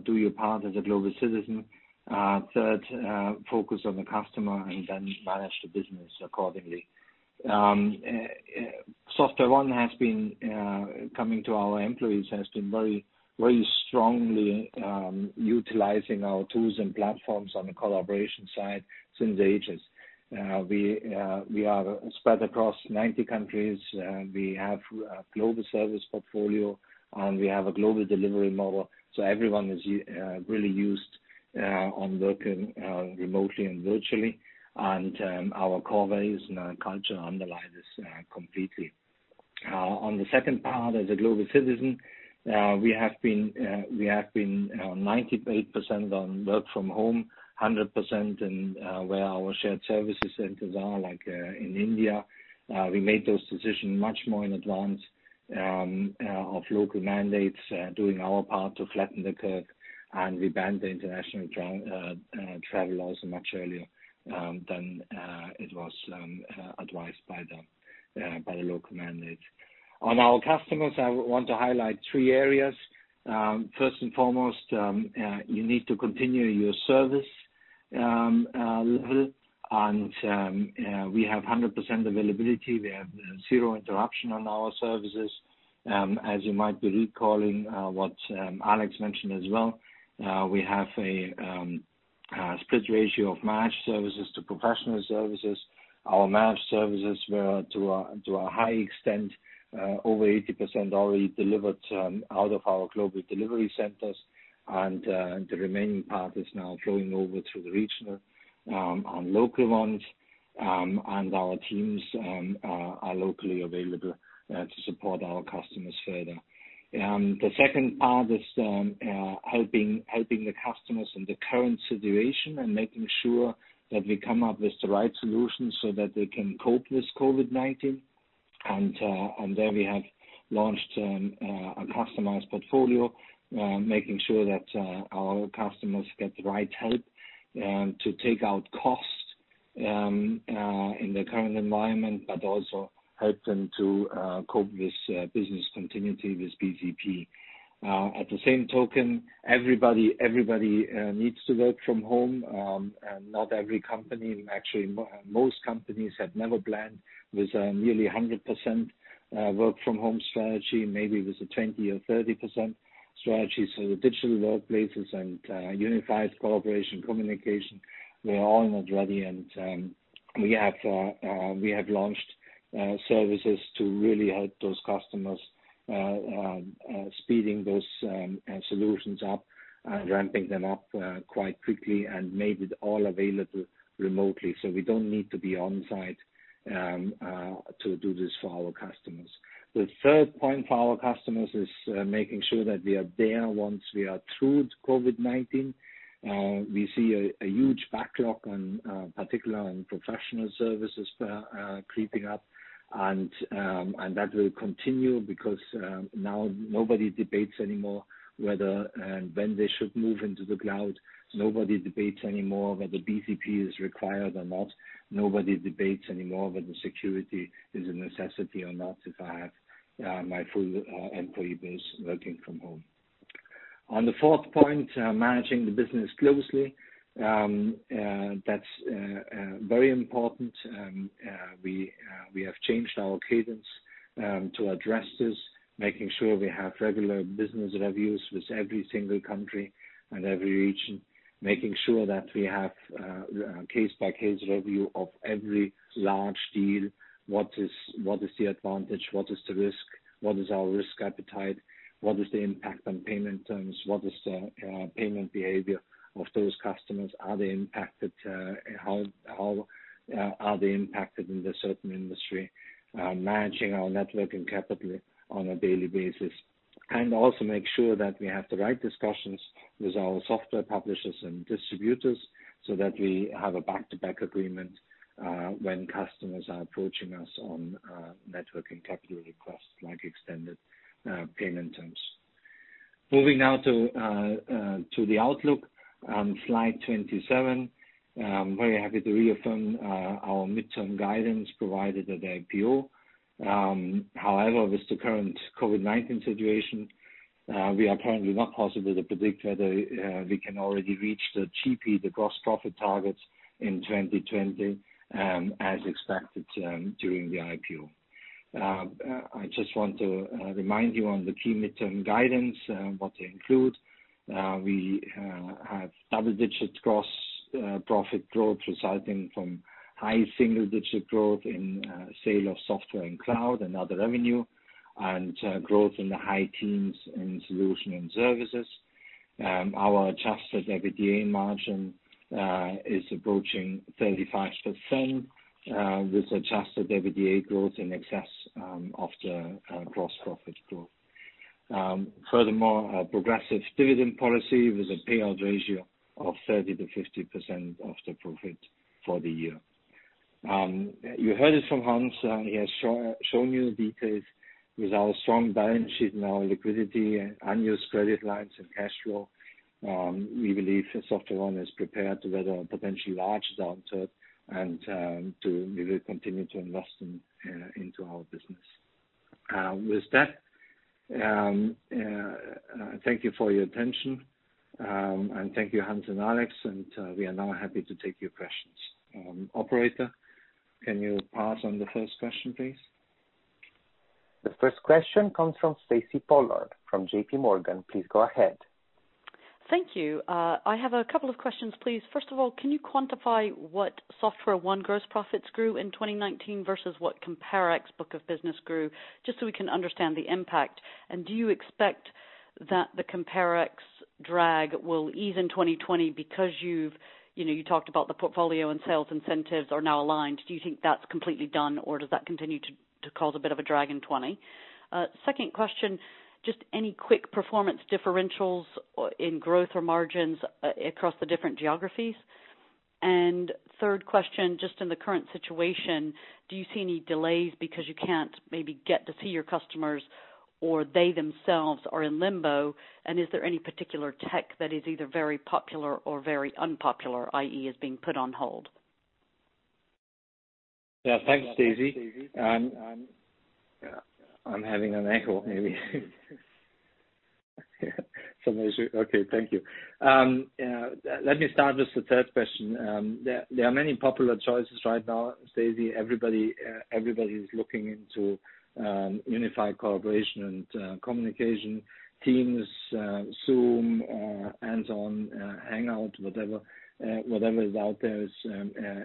do your part as a global citizen. Third, focus on the customer and then manage the business accordingly. SoftwareONE has been coming to our employees, has been very strongly utilizing our tools and platforms on the collaboration side since ages. We are spread across 90 countries. We have a global service portfolio, and we have a global delivery model. Everyone is really used on working remotely and virtually. Our core values and our culture underlie this completely. On the second part, as a global citizen, we have been 98% on work from home, 100% in where our shared services centers are, like in India. We made those decisions much more in advance of local mandates, doing our part to flatten the curve. We banned the international travel also much earlier than it was advised by the local mandate. On our customers, I want to highlight three areas. First and foremost, you need to continue your service level. We have 100% availability. We have zero interruption on our services. As you might be recalling what Alex mentioned as well, we have a split ratio of managed services to professional services. Our managed services were to a high extent, over 80% already delivered out of our global delivery centers. The remaining part is now flowing over to the regional on local ones. Our teams are locally available to support our customers further. The second part is helping the customers in the current situation and making sure that we come up with the right solutions so that they can cope with COVID-19. There we have launched a customized portfolio, making sure that our customers get the right help to take out costs in the current environment, but also help them to cope with business continuity with BCP. At the same token, everybody needs to work from home. Not every company, actually, most companies had never planned with a nearly 100% work from home strategy, maybe with a 20% or 30% strategy. The digital workplaces and unified cooperation communication were all not ready. We have launched services to really help those customers, speeding those solutions up and ramping them up quite quickly and made it all available remotely. We don't need to be on-site to do this for our customers. The third point for our customers is making sure that we are there once we are through COVID-19. We see a huge backlog, in particular on professional services creeping up. That will continue because now nobody debates anymore whether and when they should move into the cloud. Nobody debates anymore whether BCP is required or not. Nobody debates anymore whether security is a necessity or not if I have my full employee base working from home. On the fourth point, managing the business closely. That's very important. We have changed our cadence to address this, making sure we have regular business reviews with every single country and every region, making sure that we have a case-by-case review of every large deal. What is the advantage? What is the risk? What is our risk appetite? What is the impact on payment terms? What is the payment behavior of those customers? Are they impacted? How are they impacted in the certain industry? Managing our network and capital on a daily basis. Also make sure that we have the right discussions with our software publishers and distributors so that we have a back-to-back agreement when customers are approaching us on network and capital requests, like extended payment terms. Moving now to the outlook, slide 27. I'm very happy to reaffirm our midterm guidance provided at IPO. However, with the current COVID-19 situation, we are currently not positive to predict whether we can already reach the GP, the gross profit targets in 2020, as expected during the IPO. I just want to remind you on the key midterm guidance, what they include. We have double-digit gross profit growth resulting from high single-digit growth in sale of software and cloud and other revenue, and growth in the high teens in solution and services. Our adjusted EBITDA margin is approaching 35%, with adjusted EBITDA growth in excess of the gross profit growth. A progressive dividend policy with a payout ratio of 30%-50% of the profit for the year. You heard it from Hans. He has shown you the details with our strong balance sheet and our liquidity and unused credit lines and cash flow. We believe SoftwareONE is prepared to weather a potentially large downturn and we will continue to invest into our business. Thank you for your attention, and thank you, Hans and Alex. We are now happy to take your questions. Operator, can you pass on the first question, please? The first question comes from Stacy Pollard from JPMorgan. Please go ahead. Thank you. I have a couple of questions, please. First of all, can you quantify what SoftwareONE gross profits grew in 2019 versus what COMPAREX book of business grew, just so we can understand the impact? Do you expect that the COMPAREX drag will ease in 2020 because you talked about the portfolio and sales incentives are now aligned. Do you think that's completely done or does that continue to cause a bit of a drag in 2020? Second question, just any quick performance differentials in growth or margins across the different geographies? Third question, just in the current situation, do you see any delays because you can't maybe get to see your customers or they themselves are in limbo? Is there any particular tech that is either very popular or very unpopular, i.e., is being put on hold? Thanks, Stacy. I'm having an echo, maybe. Okay. Thank you. Let me start with the third question. There are many popular choices right now, Stacy. Everybody's looking into unified collaboration and communication, Teams, Zoom, Google Hangouts, whatever is out there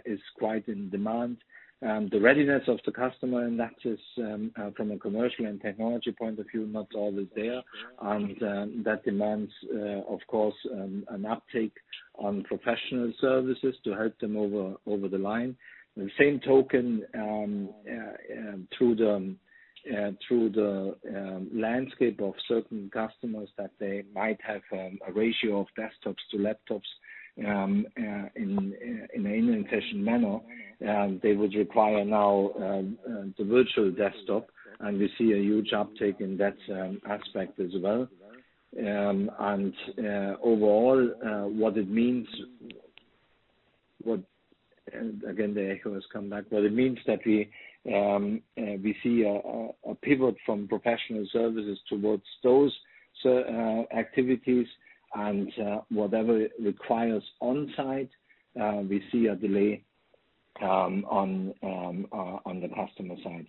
is quite in demand. The readiness of the customer, and that is from a commercial and technology point of view, not always there. That demands, of course, an uptake on professional services to help them over the line. The same token through the landscape of certain customers, that they might have a ratio of desktops to laptops in an inefficient manner, they would require now the virtual desktop, and we see a huge uptake in that aspect as well. Overall, what it means. Again, the echo has come back. What it means that we see a pivot from professional services towards those activities and whatever requires on-site, we see a delay on the customer side.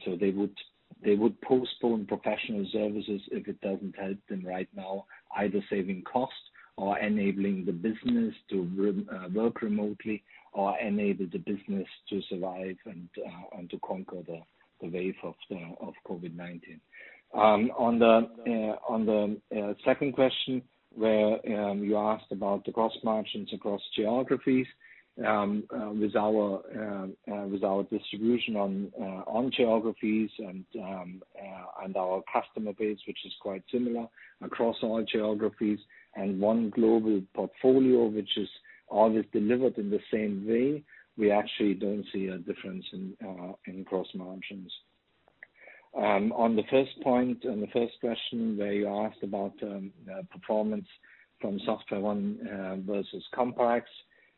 They would postpone professional services if it doesn't help them right now, either saving costs or enabling the business to work remotely, or enable the business to survive and to conquer the wave of COVID-19. On the second question, where you asked about the gross margins across geographies. With our distribution on geographies and our customer base, which is quite similar across all geographies and one global portfolio, which is always delivered in the same way, we actually don't see a difference in gross margins. On the first point, on the first question where you asked about performance from SoftwareONE versus Comparex,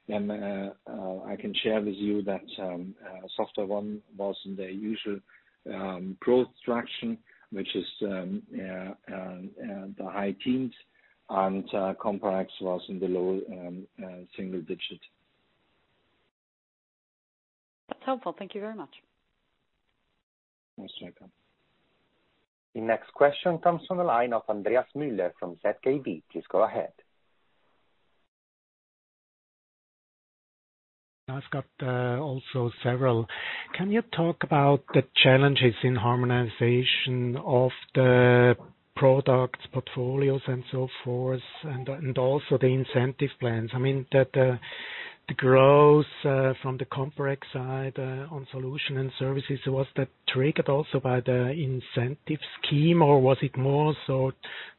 I can share with you that SoftwareONE was in their usual growth traction, which is the high teens and Comparex was in the low single digits. That's helpful. Thank you very much. Thanks, Stacy. The next question comes from the line of Andreas Müller from ZKB. Please go ahead. Can you talk about the challenges in harmonization of the products, portfolios, and so forth, and also the incentive plans? I mean, the growth from the COMPAREX side on solution and services, was that triggered also by the incentive scheme, or was it more sort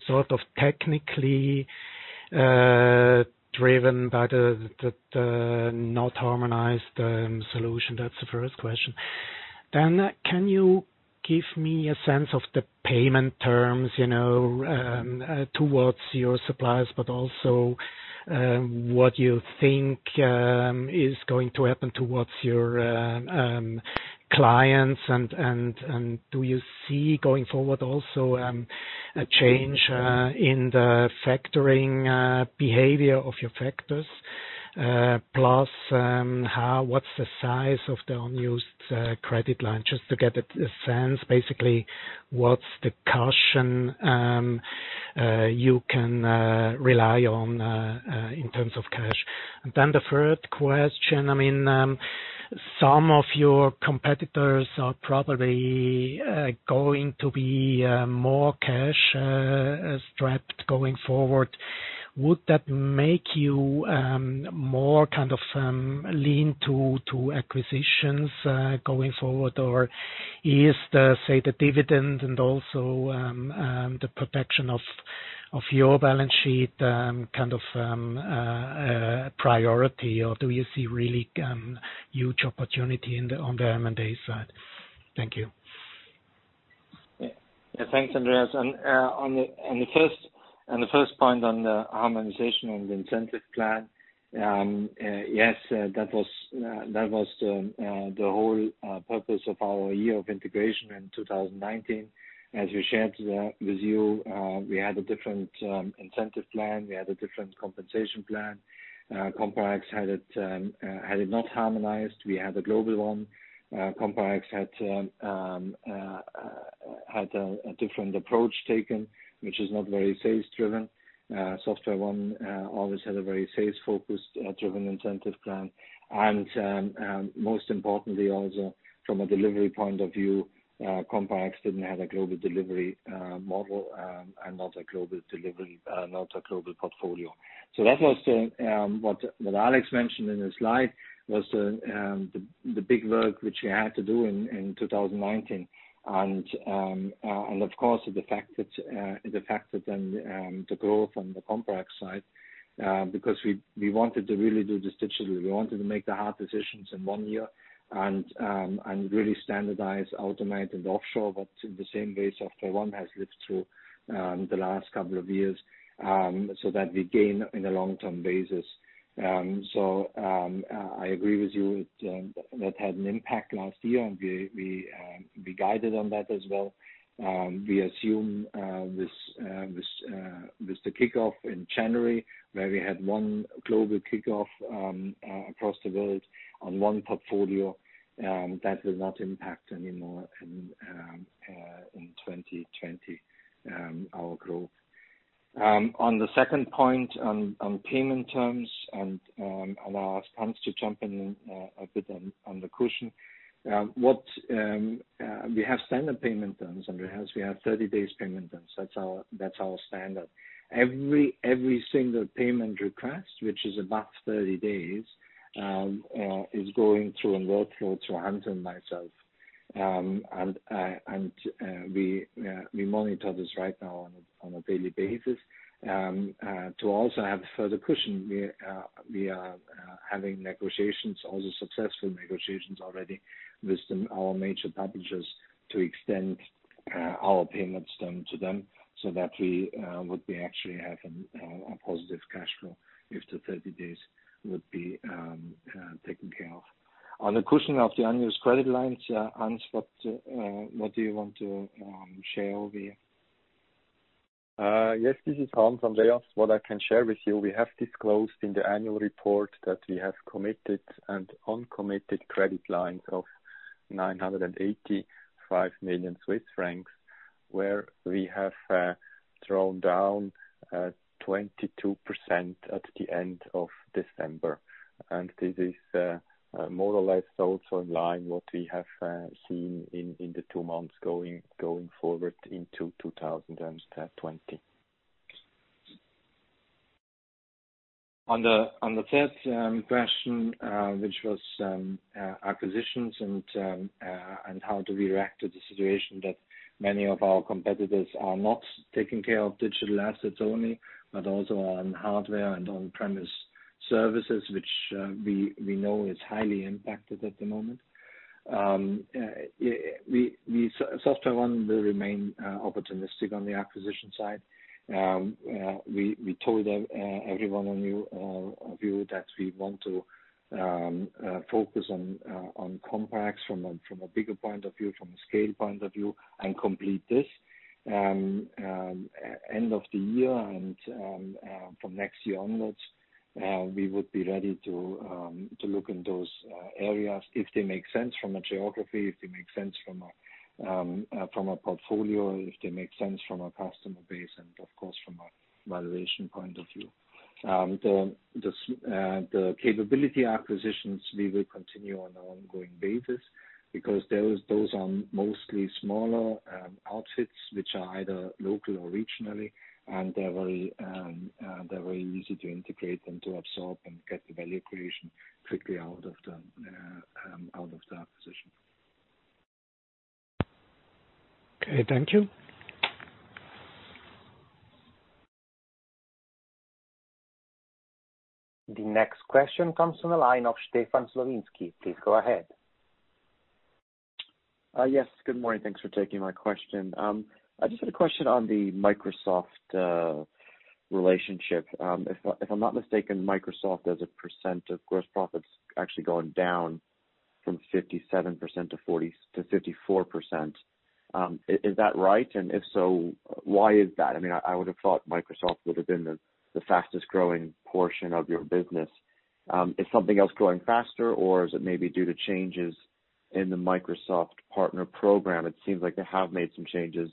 of technically driven by the not harmonized solution? That's the first question. Can you give me a sense of the payment terms towards your suppliers, but also what you think is going to happen towards your clients, and do you see going forward also a change in the factoring behavior of your factors? What's the size of the unused credit line, just to get a sense, basically, what's the cushion you can rely on in terms of cash? The third question, some of your competitors are probably going to be more cash-strapped going forward. Would that make you more lean to acquisitions going forward, or is the dividend and also the protection of your balance sheet a priority, or do you see really huge opportunity on the M&A side? Thank you. Thanks, Andreas. On the first point on the harmonization on the incentive plan, yes, that was the whole purpose of our year of integration in 2019. As we shared with you, we had a different incentive plan, we had a different compensation plan. CompuCom had it not harmonized. We had a global one. CompuCom had a different approach taken, which is not very sales-driven. SoftwareONE always had a very sales-focused driven incentive plan. Most importantly also from a delivery point of view, CompuCom didn't have a global delivery model and not a global portfolio. That was what Alex mentioned in his slide, was the big work which he had to do in 2019. Of course, it affected then the growth on the CompuCom side, because we wanted to really do this digitally. We wanted to make the hard decisions in one year and really standardize, automate, and offshore what in the same way SoftwareONE has lived through the last couple of years, so that we gain in a long-term basis. I agree with you. That had an impact last year, and we guided on that as well. We assume with the kickoff in January, where we had one global kickoff across the world on one portfolio, that will not impact anymore in 2020, our growth. On the second point on payment terms and I'll ask Hans to jump in a bit on the cushion. We have standard payment terms, Andreas, we have 30 days payment terms. That's our standard. Every single payment request, which is about 30 days, is going through a workflow through Hans and myself. We monitor this right now on a daily basis. To also have further cushion, we are having negotiations, also successful negotiations already with our major publishers to extend our payments done to them so that we would be actually having a positive cash flow if the 30 days would be taken care of. On the cushion of the unused credit lines, Hans, what do you want to share here? Yes, this is Hans, Andreas. What I can share with you, we have disclosed in the annual report that we have committed and uncommitted credit lines of 985 million Swiss francs, where we have drawn down 22% at the end of December. This is more or less also in line what we have seen in the two months going forward into 2020. On the third question, which was acquisitions and how do we react to the situation that many of our competitors are not taking care of digital assets only, but also on hardware and on-premise services, which we know is highly impacted at the moment. SoftwareONE will remain opportunistic on the acquisition side. We told everyone on view that we want to focus on COMPAREX from a bigger point of view, from a scale point of view, and complete this end of the year. From next year onwards, we would be ready to look in those areas if they make sense from a geography, if they make sense from a portfolio, if they make sense from a customer base, and of course, from a valuation point of view. The capability acquisitions, we will continue on an ongoing basis because those are mostly smaller outfits, which are either local or regionally, and they're very easy to integrate and to absorb and get the value creation quickly out of the acquisition. Okay. Thank you. The next question comes from the line of Stefan Slowinski. Please go ahead. Yes. Good morning. Thanks for taking my question. I just had a question on the Microsoft relationship. If I'm not mistaken, Microsoft, as a percent of gross profit, is actually going down from 57%-54%. Is that right? If so, why is that? I would have thought Microsoft would have been the fastest growing portion of your business. Is something else growing faster or is it maybe due to changes in the Microsoft Partner program? It seems like they have made some changes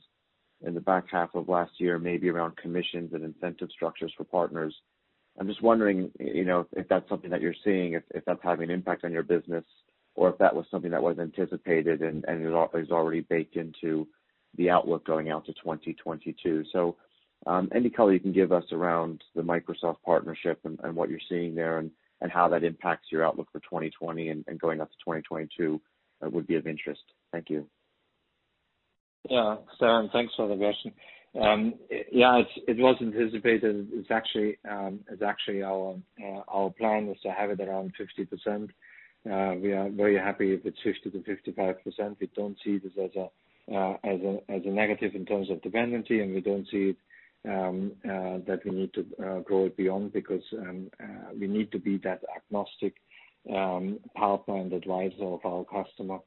in the back half of last year, maybe around commissions and incentive structures for partners. I'm just wondering if that's something that you're seeing, if that's having an impact on your business or if that was something that was anticipated and is already baked into the outlook going out to 2022. Any color you can give us around the Microsoft partnership and what you're seeing there and how that impacts your outlook for 2020 and going out to 2022 would be of interest. Thank you. Thanks for the question. It was anticipated. It's actually our plan was to have it around 50%. We are very happy if it's 50%-55%. We don't see this as a negative in terms of dependency, and we don't see it that we need to grow it beyond because we need to be that agnostic partner and advisor of our customer,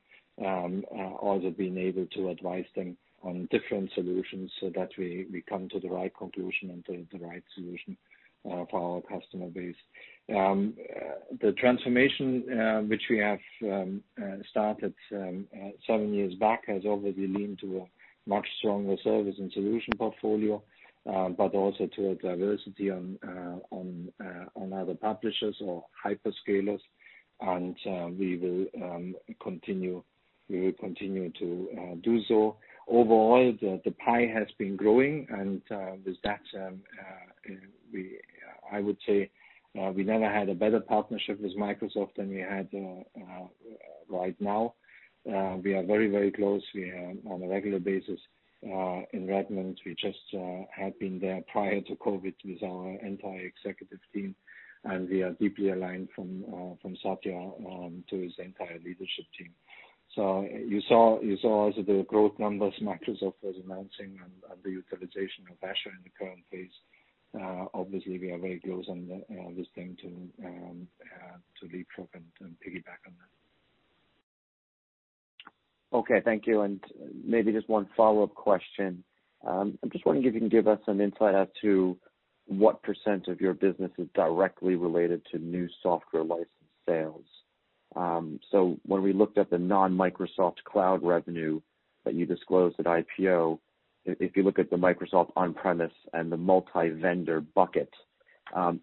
also being able to advise them on different solutions so that we come to the right conclusion and to the right solution for our customer base. The transformation, which we have started seven years back, has already leaned to a much stronger service and solution portfolio, but also to a diversity on other publishers or hyperscalers. We will continue to do so. Overall, the pie has been growing. With that, I would say we never had a better partnership with Microsoft than we have right now. We are very close. We are on a regular basis in Redmond. We just had been there prior to COVID with our entire executive team. We are deeply aligned from Satya to his entire leadership team. You saw the growth numbers Microsoft was announcing and the utilization of Azure in the current phase. Obviously, we are very close on this thing to leapfrog and piggyback on that. Okay. Thank you. Maybe just one follow-up question. I'm just wondering if you can give us some insight as to what percent of your business is directly related to new software license sales. When we looked at the non-Microsoft cloud revenue that you disclosed at IPO, if you look at the Microsoft on-premise and the multi-vendor bucket,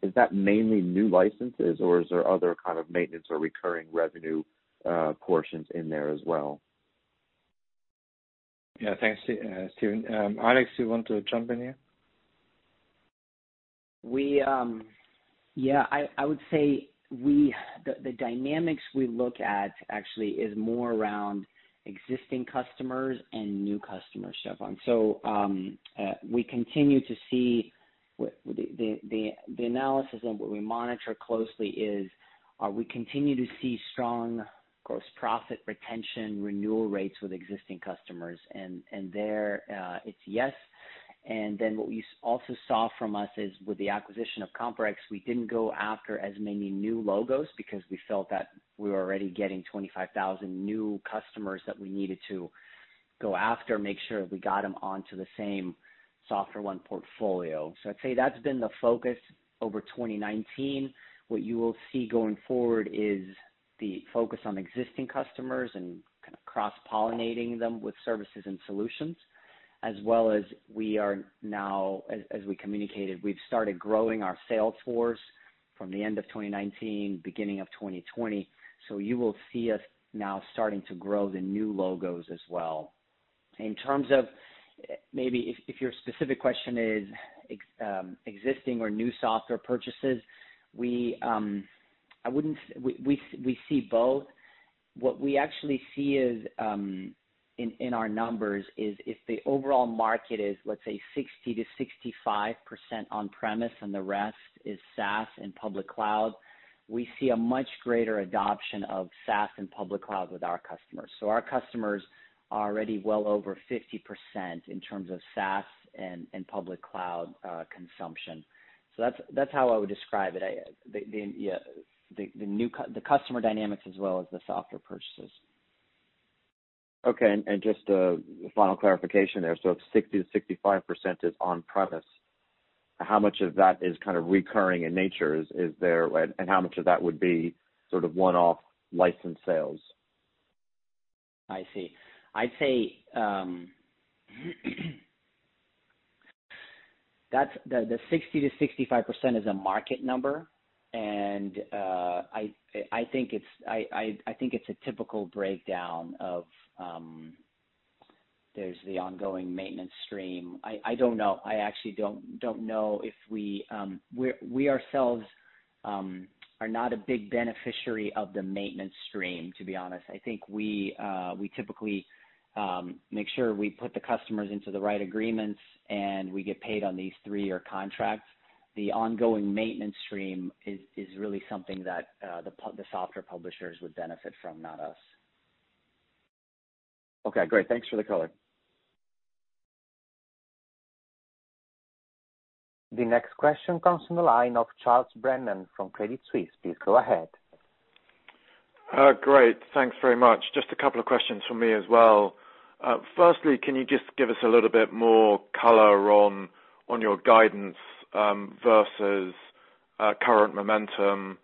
is that mainly new licenses or is there other kind of maintenance or recurring revenue portions in there as well? Yeah. Thanks, Stefen. Alex, you want to jump in here? Yeah. I would say the dynamics we look at actually is more around existing customers and new customer SoftwareONE. The analysis and what we monitor closely is, are we continue to see strong gross profit retention renewal rates with existing customers? There, it's yes. Then what you also saw from us is with the acquisition of COMPAREX, we didn't go after as many new logos because we felt that we were already getting 25,000 new customers that we needed to go after, make sure we got them onto the same SoftwareONE portfolio. I'd say that's been the focus over 2019. What you will see going forward is the focus on existing customers and kind of cross-pollinating them with services and solutions as well as we are now, as we communicated, we've started growing our sales force from the end of 2019, beginning of 2020. You will see us now starting to grow the new logos as well. In terms of maybe if your specific question is existing or new software purchases, we see both. We actually see in our numbers is if the overall market is, let's say, 60%-65% on-premise and the rest is SaaS and public cloud, we see a much greater adoption of SaaS and public cloud with our customers. Our customers are already well over 50% in terms of SaaS and public cloud consumption. That's how I would describe it, the customer dynamics as well as the software purchases. Okay, just a final clarification there. If 60%-65% is on-premise, how much of that is kind of recurring in nature, and how much of that would be sort of one-off license sales? I see. I'd say the 60%-65% is a market number, and I think it's a typical breakdown of there's the ongoing maintenance stream. I don't know. We ourselves are not a big beneficiary of the maintenance stream, to be honest. I think we typically make sure we put the customers into the right agreements, and we get paid on these three-year contracts. The ongoing maintenance stream is really something that the software publishers would benefit from, not us. Okay, great. Thanks for the color. The next question comes from the line of Charles Brennan from Credit Suisse. Please go ahead. Great. Thanks very much. Just a couple of questions from me as well. Can you just give us a little bit more color on your guidance versus current momentum?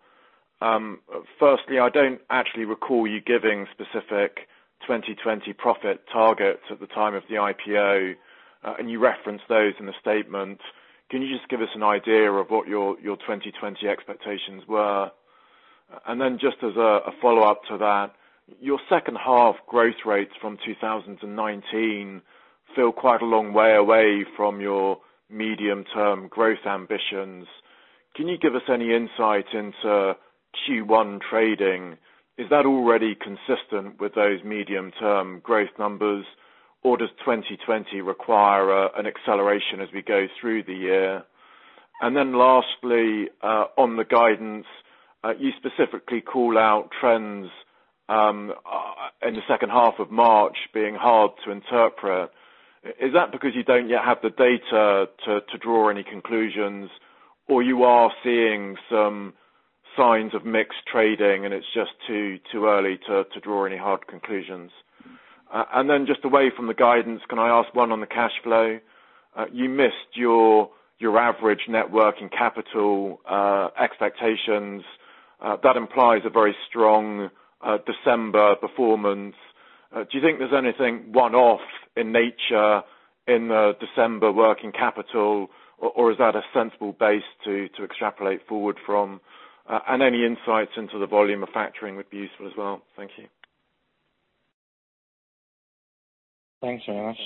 I don't actually recall you giving specific 2020 profit targets at the time of the IPO, and you referenced those in the statement. Can you just give us an idea of what your 2020 expectations were? Just as a follow-up to that, your second half growth rates from 2019 feel quite a long way away from your medium-term growth ambitions. Can you give us any insight into Q1 trading? Is that already consistent with those medium-term growth numbers, or does 2020 require an acceleration as we go through the year? Lastly, on the guidance, you specifically call out trends in the second half of March being hard to interpret. Is that because you don't yet have the data to draw any conclusions, or you are seeing some signs of mixed trading and it's just too early to draw any hard conclusions? Just away from the guidance, can I ask one on the cash flow? You missed your average net working capital expectations. That implies a very strong December performance. Do you think there's anything one-off in nature in the December working capital, or is that a sensible base to extrapolate forward from? Any insights into the volume of factoring would be useful as well. Thank you. Thanks, Charles.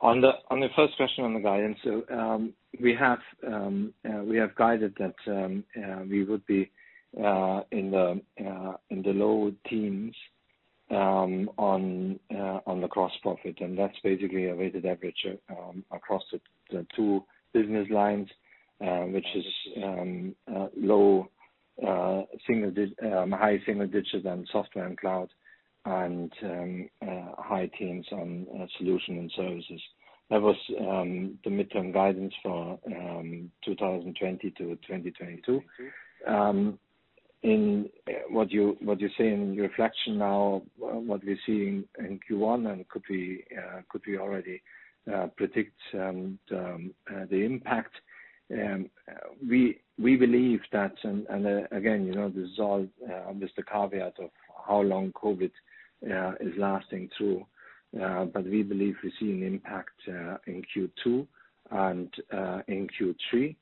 On the first question on the guidance, we have guided that we would be in the low teens on the gross profit, and that's basically a weighted average across the two business lines, which is high single digits on software and cloud and high teens on solution and services. That was the midterm guidance for 2020-2022. In what you say in reflection now, what we see in Q1 and could be already predict the impact. We believe that, and again, this is all just a caveat of how long COVID is lasting through, but we believe we see an impact in Q2 and in Q3,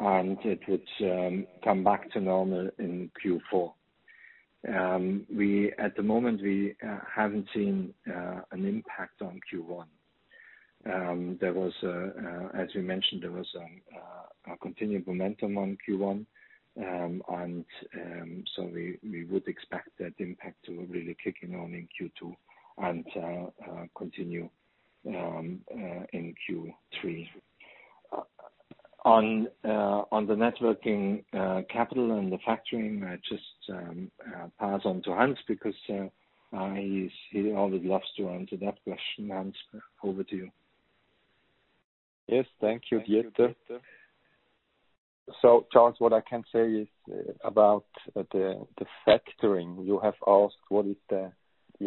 and it would come back to normal in Q4. At the moment, we haven't seen an impact on Q1. As we mentioned, there was a continued momentum on Q1, and so we would expect that impact to really kick in on in Q2 and continue in Q3. On the net working capital and the factoring, I just pass on to Hans because he always loves to answer that question. Hans, over to you. Yes, thank you, Dieter. Charles, what I can say is about the factoring. You have asked what is the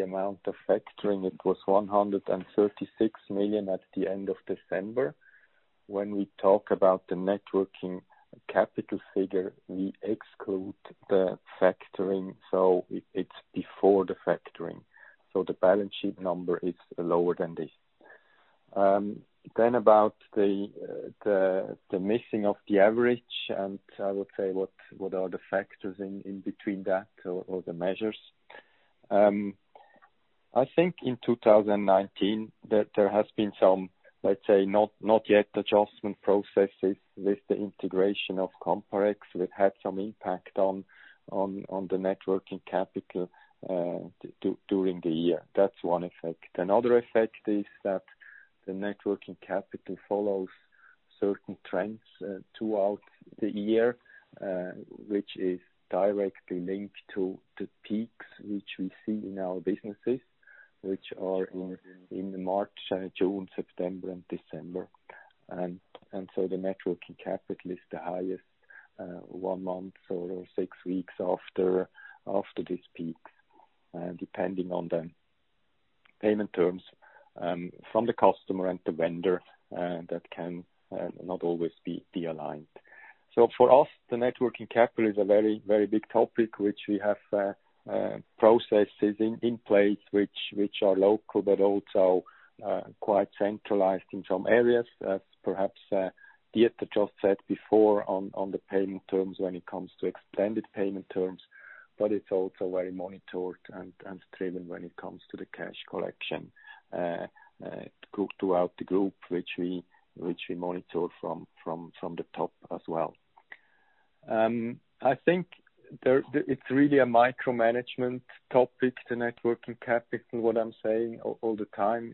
amount of factoring. It was 136 million at the end of December. When we talk about the net working capital figure, we exclude the factoring, so it's before the factoring. The balance sheet number is lower than this. About the missing of the average, and I would say what are the factors in between that or the measures. I think in 2019 that there has been some, let's say, not yet adjustment processes with the integration of COMPAREX, that had some impact on the net working capital during the year. That's one effect. Another effect is that the net working capital follows certain trends throughout the year, which is directly linked to the peaks which we see in our businesses, which are in March, June, September, and December. The net working capital is the highest one month or six weeks after this peak, depending on the payment terms from the customer and the vendor, that cannot always be aligned. For us, the net working capital is a very big topic, which we have processes in place which are local but also quite centralized in some areas. As perhaps Dieter just said before on the payment terms when it comes to extended payment terms, but it's also very monitored and driven when it comes to the cash collection throughout the group, which we monitor from the top as well. I think it's really a micromanagement topic, the net working capital, what I'm saying all the time.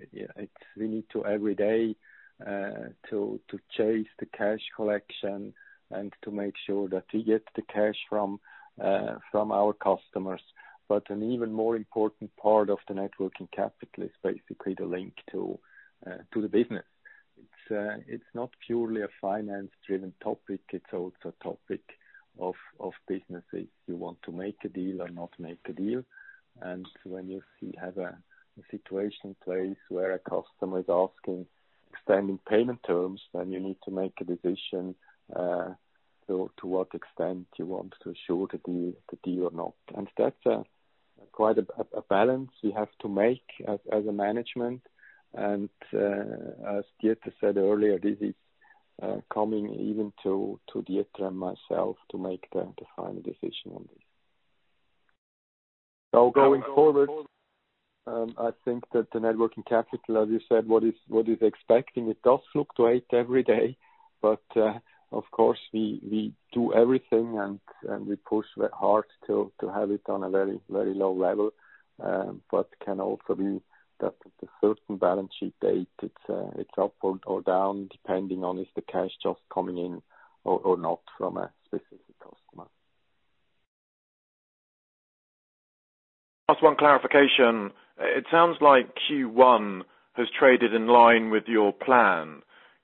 We need to every day to chase the cash collection and to make sure that we get the cash from our customers. An even more important part of the net working capital is basically the link to the business. It's not purely a finance-driven topic. It's also a topic of businesses. You want to make a deal or not make a deal. When you have a situation in place where a customer is asking extending payment terms, then you need to make a decision, to what extent you want to assure the deal or not. That's quite a balance you have to make as a management. As Dieter said earlier, this is coming even to Dieter and myself to make the final decision on this. Going forward, I think that the net working capital, as you said, what is expecting, it does fluctuate every day. Of course, we do everything, and we push very hard to have it on a very low level. Can also be that at a certain balance sheet date, it's up or down, depending on is the cash just coming in or not from a specific customer. Just one clarification. It sounds like Q1 has traded in line with your plan.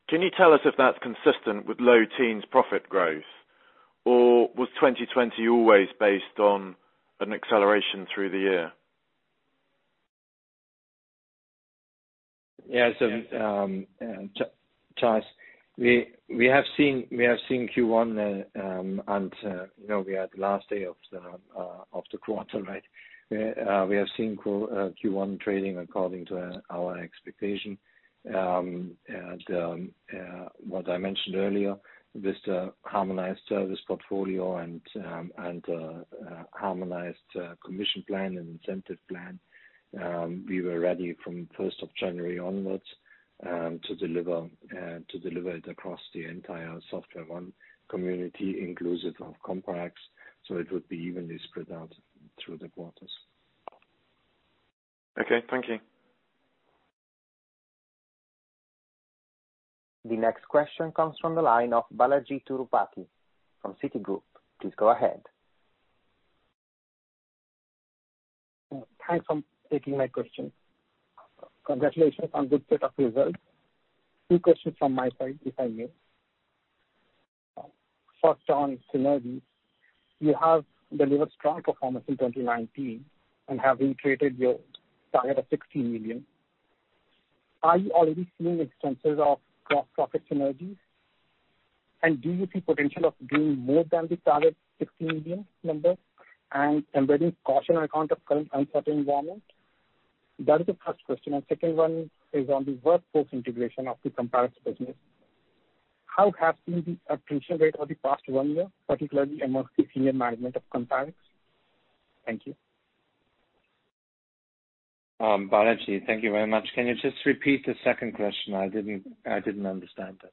Can you tell us if that's consistent with low teens profit growth? Was 2020 always based on an acceleration through the year? Yes. Charles, we have seen Q1 and we are at the last day of the quarter, right? We have seen Q1 trading according to our expectation. What I mentioned earlier, this harmonized service portfolio and harmonized commission plan and incentive plan, we were ready from 1st of January onwards to deliver it across the entire SoftwareONE community, inclusive of COMPAREX. It would be evenly spread out through the quarters. Okay. Thank you. The next question comes from the line of Balajee Tirupati from Citigroup. Please go ahead. Thanks for taking my question. Congratulations on good set of results. Two questions from my side, if I may. First on synergies. You have delivered strong performance in 2019 and have integrated your target of 60 million. Are you already seeing instances of cross profit synergies? Do you see potential of doing more than the target 60 million number and embedding caution on account of current uncertain environment? That is the first question, and second one is on the workforce integration of the COMPAREX business. How has been the attrition rate over the past one year, particularly amongst the senior management of COMPAREX? Thank you. Balajee, thank you very much. Can you just repeat the second question? I didn't understand that.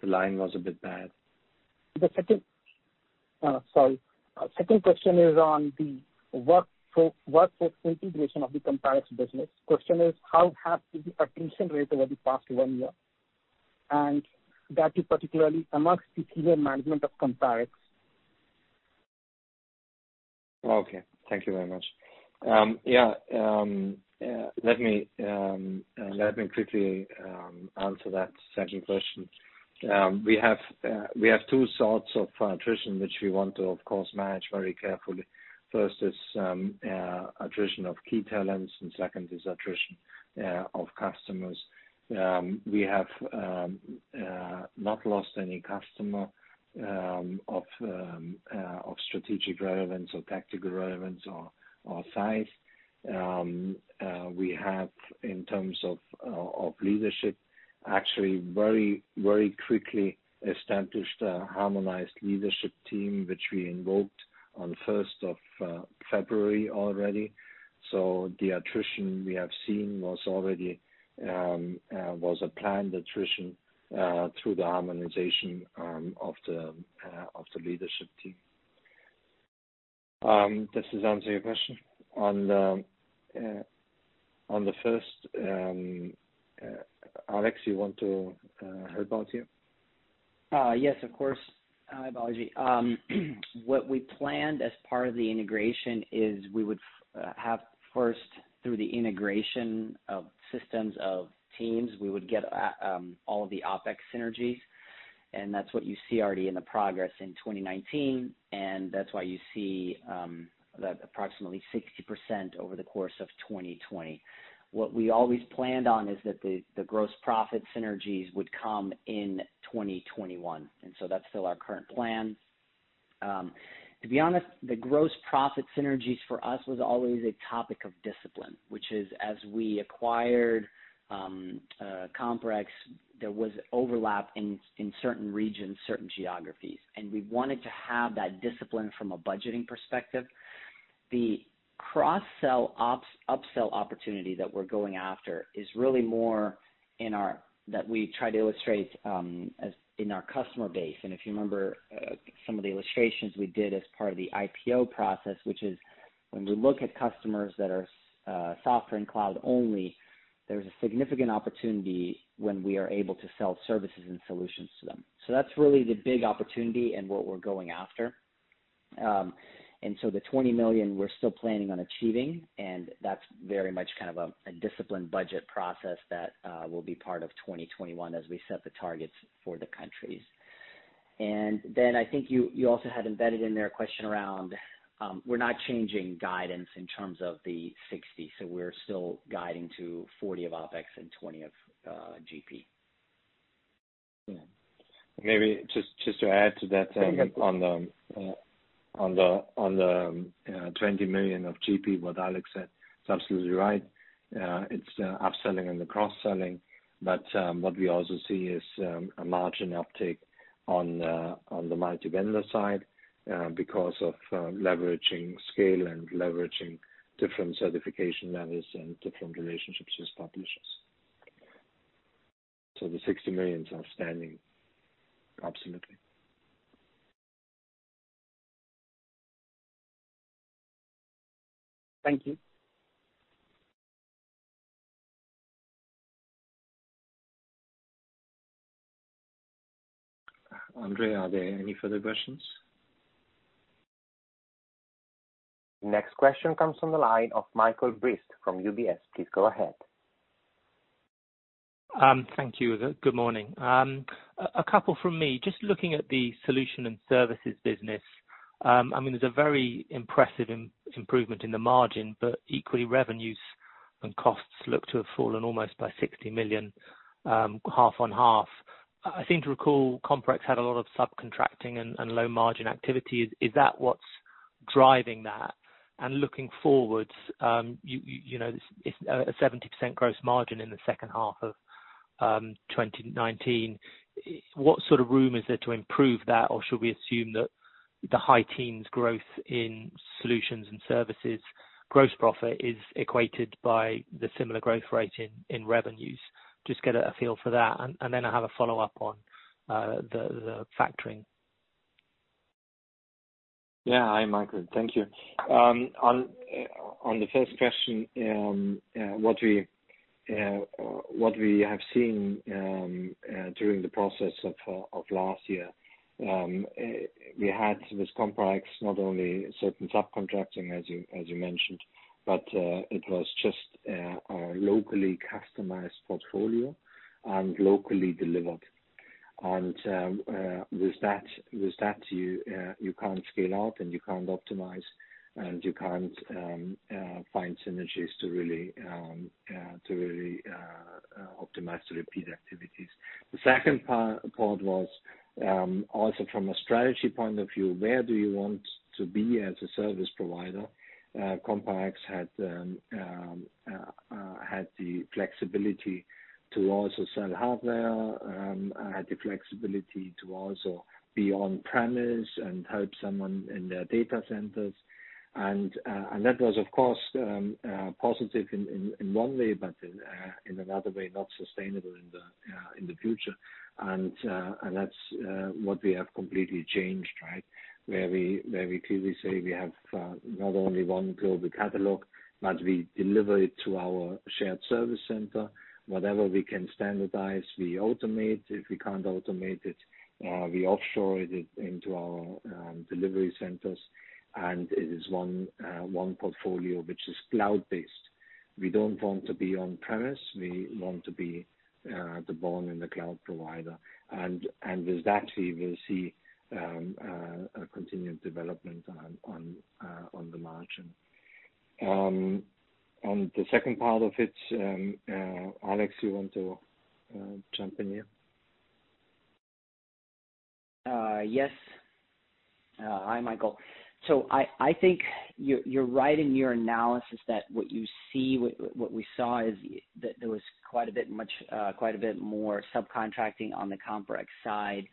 The line was a bit bad. Sorry. Second question is on the workforce integration of the COMPAREX business. Question is how has the attrition rate over the past one year? That is particularly amongst the senior management of COMPAREX. Okay. Thank you very much. Let me quickly answer that second question. We have two sorts of attrition, which we want to, of course, manage very carefully. First is attrition of key talents, and second is attrition of customers. We have not lost any customer of strategic relevance or tactical relevance or size. We have, in terms of leadership, actually very quickly established a harmonized leadership team, which we invoked on 1st of February already. The attrition we have seen was a planned attrition through the harmonization of the leadership team. Does this answer your question? On the first, Alex, you want to help out here? Yes, of course. Hi, Balajee. What we planned as part of the integration is we would have first, through the integration of systems of teams, we would get all of the OpEx synergies, and that's what you see already in the progress in 2019, and that's why you see that approximately 60% over the course of 2020. What we always planned on is that the gross profit synergies would come in 2021, and so that's still our current plan. To be honest, the gross profit synergies for us was always a topic of discipline. Which is, as we acquired COMPAREX, there was overlap in certain regions, certain geographies, and we wanted to have that discipline from a budgeting perspective. The cross-sell, up-sell opportunity that we're going after is really more in our-- that we try to illustrate in our customer base. If you remember, some of the illustrations we did as part of the IPO process, which is when we look at customers that are software and cloud only, there's a significant opportunity when we are able to sell services and solutions to them. That's really the big opportunity and what we're going after. The 20 million we're still planning on achieving, and that's very much kind of a disciplined budget process that will be part of 2021 as we set the targets for the countries. I think you also had embedded in there a question around, we're not changing guidance in terms of the 60. We're still guiding to 40 of OPEX and 20 of GP. Yeah. Maybe just to add to that. Yeah, go ahead, please. on the 20 million of GP, what Alex said is absolutely right. It's upselling and the cross-selling. What we also see is a margin uptick on the multi-vendor side because of leveraging scale and leveraging different certification levels and different relationships with publishers. The 60 million is outstanding. Absolutely. Thank you. Andre, are there any further questions? Next question comes from the line of Michael Briest from UBS. Please go ahead. Thank you. Good morning. A couple from me. Just looking at the solution and services business. There's a very impressive improvement in the margin, but equally revenues and costs look to have fallen almost by 60 million, half on half. I seem to recall COMPAREX had a lot of subcontracting and low-margin activity. Is that what's driving that? Looking forward, a 70% gross margin in the second half of 2019, what sort of room is there to improve that? Should we assume that the high teens growth in solutions and services gross profit is equated by the similar growth rate in revenues? Just get a feel for that. Then I have a follow-up on the factoring. Yeah. Hi, Michael. Thank you. On the first question, what we have seen during the process of last year, we had with COMPAREX not only certain subcontracting, as you mentioned, but it was just a locally customized portfolio and locally delivered. With that, you can't scale out and you can't optimize, and you can't find synergies to really optimize, to repeat activities. The second part was, also from a strategy point of view, where do you want to be as a service provider? COMPAREX had the flexibility to also sell hardware and had the flexibility to also be on premise and help someone in their data centers. That was, of course, positive in one way, but in another way, not sustainable in the future. That's what we have completely changed, right? Where we clearly say we have not only one global catalog, but we deliver it to our shared service center. Whatever we can standardize, we automate. If we can't automate it, we offshore it into our delivery centers. It is one portfolio which is cloud-based. We don't want to be on-premise. We want to be the born and the cloud provider. With that, we will see a continued development on the margin. On the second part of it, Alex, you want to jump in here? Yes. Hi, Michael. I think you're right in your analysis that what we saw is that there was quite a bit more subcontracting on the COMPAREX side.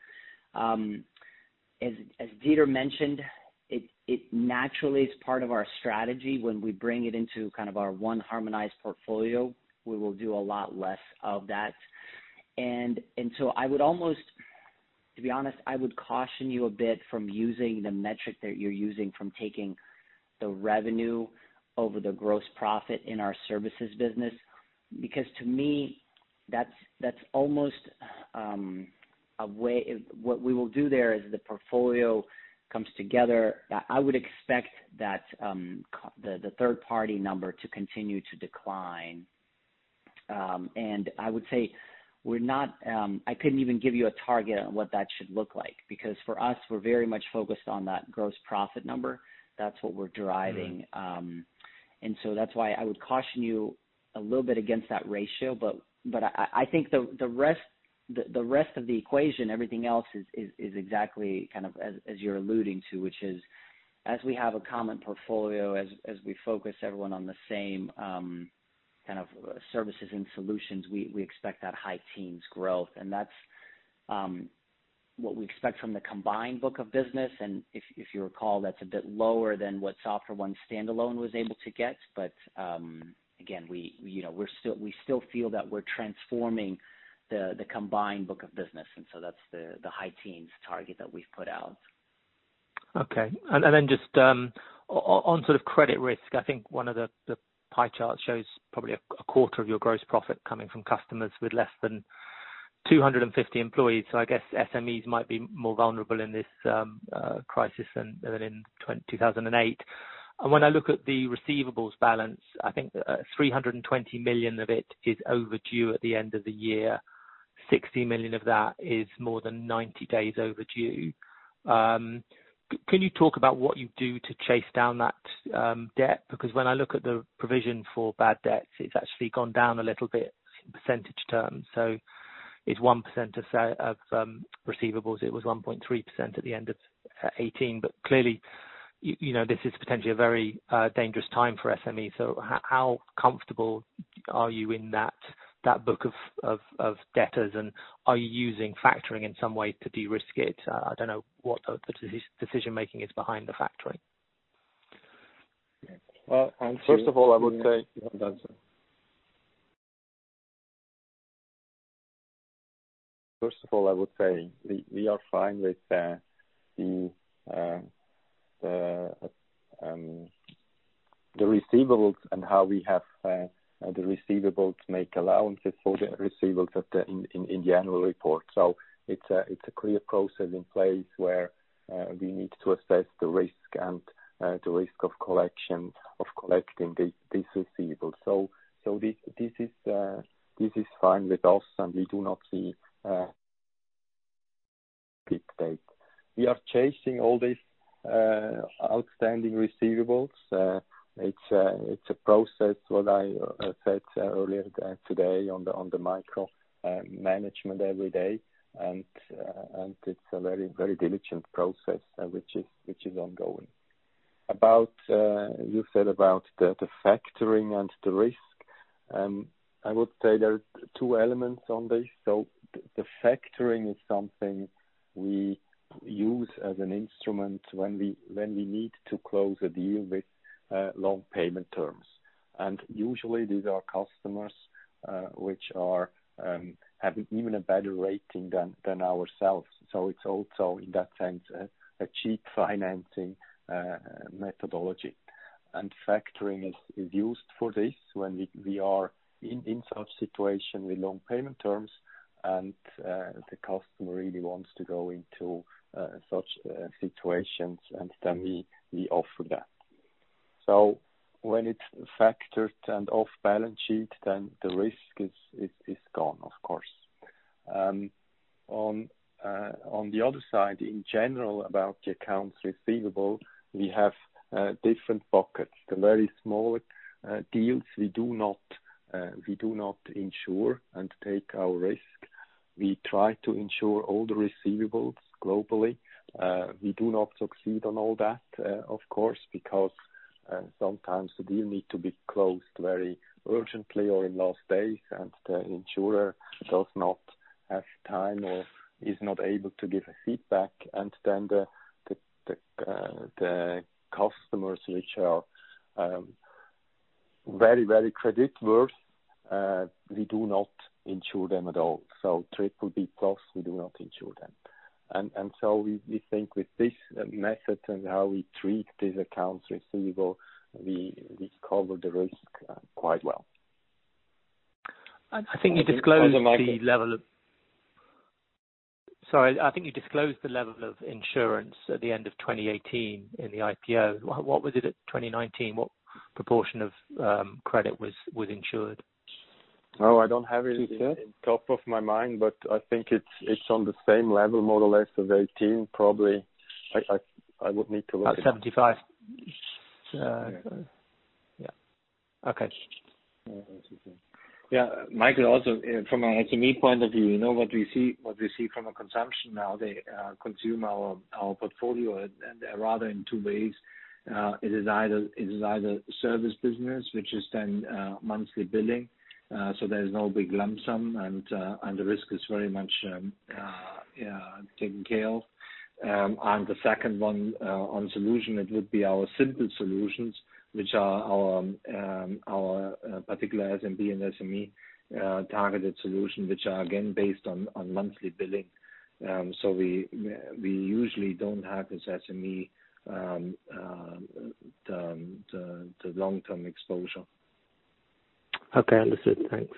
As Dieter mentioned, it naturally is part of our strategy. When we bring it into kind of our one harmonized portfolio, we will do a lot less of that. I would almost, to be honest, I would caution you a bit from using the metric that you're using from taking the revenue over the gross profit in our services business, because to me, that's almost a way what we will do there as the portfolio comes together, I would expect that the third-party number to continue to decline. I would say I couldn't even give you a target on what that should look like, because for us, we're very much focused on that gross profit number. That's what we're driving. That's why I would caution you a little bit against that ratio. I think the rest of the equation, everything else is exactly kind of as you're alluding to, which is as we have a common portfolio, as we focus everyone on the same kind of services and solutions, we expect that high teens growth. That's what we expect from the combined book of business, and if you recall, that's a bit lower than what SoftwareONE standalone was able to get. Again, we still feel that we're transforming the combined book of business. That's the high teens target that we've put out. Okay. Just on sort of credit risk, I think one of the pie charts shows probably a quarter of your gross profit coming from customers with less than 250 employees. I guess SMEs might be more vulnerable in this crisis than in 2008. When I look at the receivables balance, I think 320 million of it is overdue at the end of the year, 60 million of that is more than 90 days overdue. Can you talk about what you do to chase down that debt? When I look at the provision for bad debts, it's actually gone down a little bit in percentage terms. It's 1% of receivables. It was 1.3% at the end of 2018. Clearly, this is potentially a very dangerous time for SME. How comfortable are you in that book of debtors, and are you using factoring in some way to de-risk it? I don't know what the decision-making is behind the factoring. Well, first of all, I would say. You want to answer. First of all, I would say we are fine with the receivables and how we have the receivables make allowances for the receivables in the annual report. It's a clear process in place where we need to assess the risk and the risk of collection, of collecting this receivable. This is fine with us, and we do not see a big take. We are chasing all these outstanding receivables. It's a process, what I said earlier today on the micromanagement every day. It's a very, very diligent process which is ongoing. You said about the factoring and the risk. I would say there are two elements on this. The factoring is something we use as an instrument when we need to close a deal with long payment terms. Usually these are customers which are having even a better rating than ourselves. It's also, in that sense, a cheap financing methodology. Factoring is used for this when we are in such situation with long payment terms and the customer really wants to go into such situations, then we offer that. When it's factored and off balance sheet, then the risk is gone, of course. On the other side, in general, about the accounts receivable, we have different pockets. The very small deals, we do not insure and take our risk. We try to insure all the receivables globally. We do not succeed on all that, of course, because sometimes the deal need to be closed very urgently or in last days, and the insurer does not have time or is not able to give a feedback. Then the customers which are very credit-worth, we do not insure them at all. BBB plus, we do not insure them. We think with this method and how we treat these accounts receivable, we cover the risk quite well. Sorry. I think you disclosed the level of insurance at the end of 2018 in the IPO. What was it at 2019? What proportion of credit was insured? Oh, I don't have it in top of my mind, but I think it's on the same level, more or less of 2018, probably. About 75. Yeah. Okay. Yeah. Michael, also from a SME point of view, what we see from a consumption now, they consume our portfolio rather in two ways. It is either service business, which is then monthly billing, so there is no big lump sum, and the risk is very much taken care of. The second one on solution, it would be our simple solutions, which are our particular SMB and SME-targeted solution which are again based on monthly billing. We usually don't have this SME, the long-term exposure. Okay, understood. Thanks.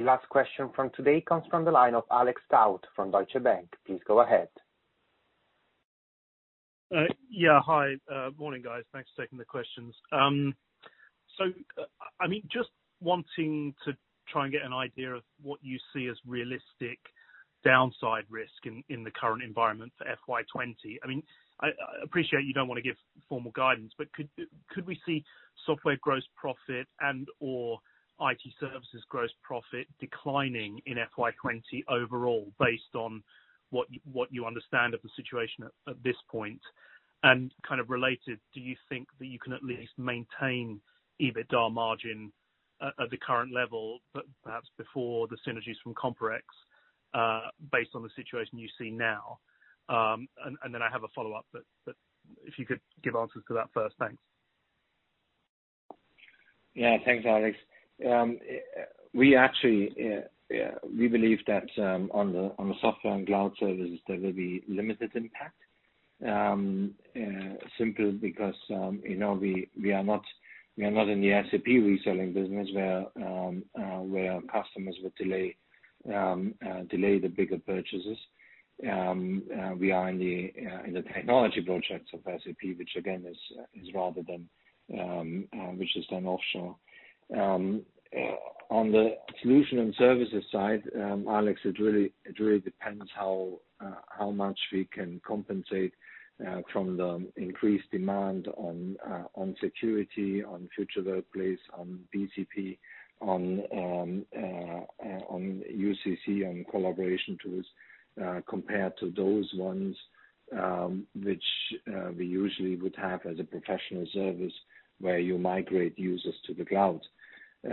Last question from today comes from the line of Alex Tout from Deutsche Bank. Please go ahead. Yeah. Hi. Morning, guys. Thanks for taking the questions. Just wanting to try and get an idea of what you see as realistic downside risk in the current environment for FY 2020. I appreciate you don't want to give formal guidance, but could we see software gross profit and/or IT services gross profit declining in FY 2020 overall based on what you understand of the situation at this point? Kind of related, do you think that you can at least maintain EBITDA margin at the current level, but perhaps before the synergies from COMPAREX, based on the situation you see now? I have a follow-up, but if you could give answers to that first. Thanks. Thanks, Alex. We believe that on the software and cloud services, there will be limited impact. Simply because we are not in the SAP reselling business where our customers would delay the bigger purchases. We are in the technology projects of SAP, which again is done offshore. On the solution and services side, Alex, it really depends how much we can compensate from the increased demand on security, on future workplace, on BCP, on UCC, on collaboration tools compared to those ones which we usually would have as a professional service where you migrate users to the cloud. At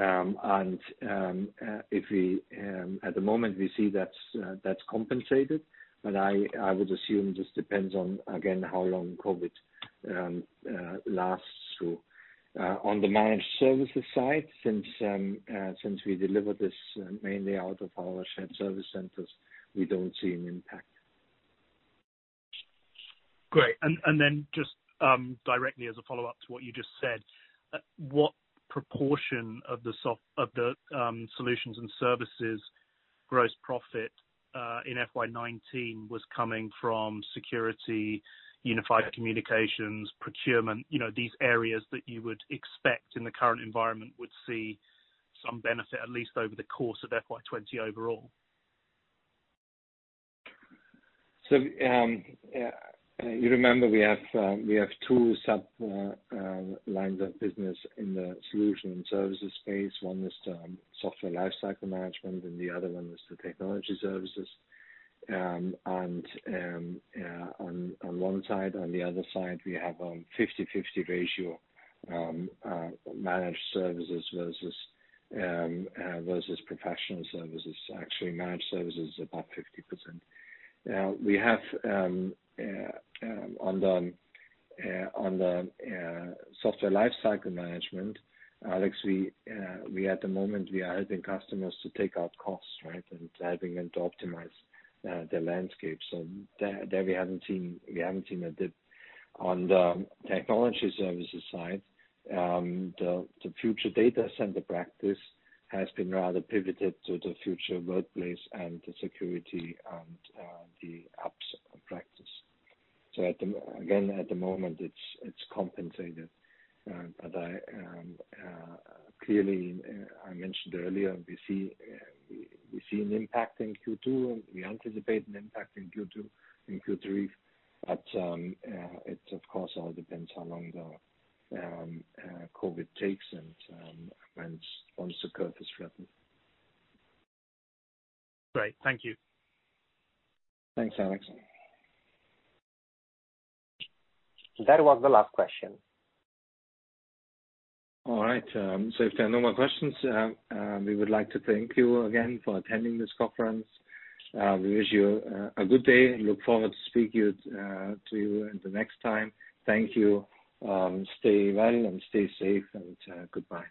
the moment, we see that's compensated, but I would assume this depends on, again, how long COVID lasts through. On the managed services side, since we deliver this mainly out of our shared service centers, we don't see an impact. Great. Just directly as a follow-up to what you just said, what proportion of the solutions and services gross profit in FY 2019 was coming from security, unified communications, procurement, these areas that you would expect in the current environment would see some benefit, at least over the course of FY 2020 overall? You remember we have two sub-lines of business in the solution and services space. One is the software lifecycle management, and the other one is the technology services. On one side, on the other side, we have a 50/50 ratio, managed services versus professional services. Actually, managed services is about 50%. On the software lifecycle management, Alex, at the moment, we are helping customers to take out costs, right? Helping them to optimize their landscape. There we haven't seen a dip. On the technology services side, the future data center practice has been rather pivoted to the future workplace and the security and the apps practice. Again, at the moment, it's compensated. Clearly, I mentioned earlier, we see an impact in Q2, and we anticipate an impact in Q2, in Q3. It, of course, all depends how long the COVID takes and once the curve is flattened. Great. Thank you. Thanks, Alex. That was the last question. All right. If there are no more questions, we would like to thank you again for attending this conference. We wish you a good day and look forward to speak to you the next time. Thank you. Stay well and stay safe, and goodbye.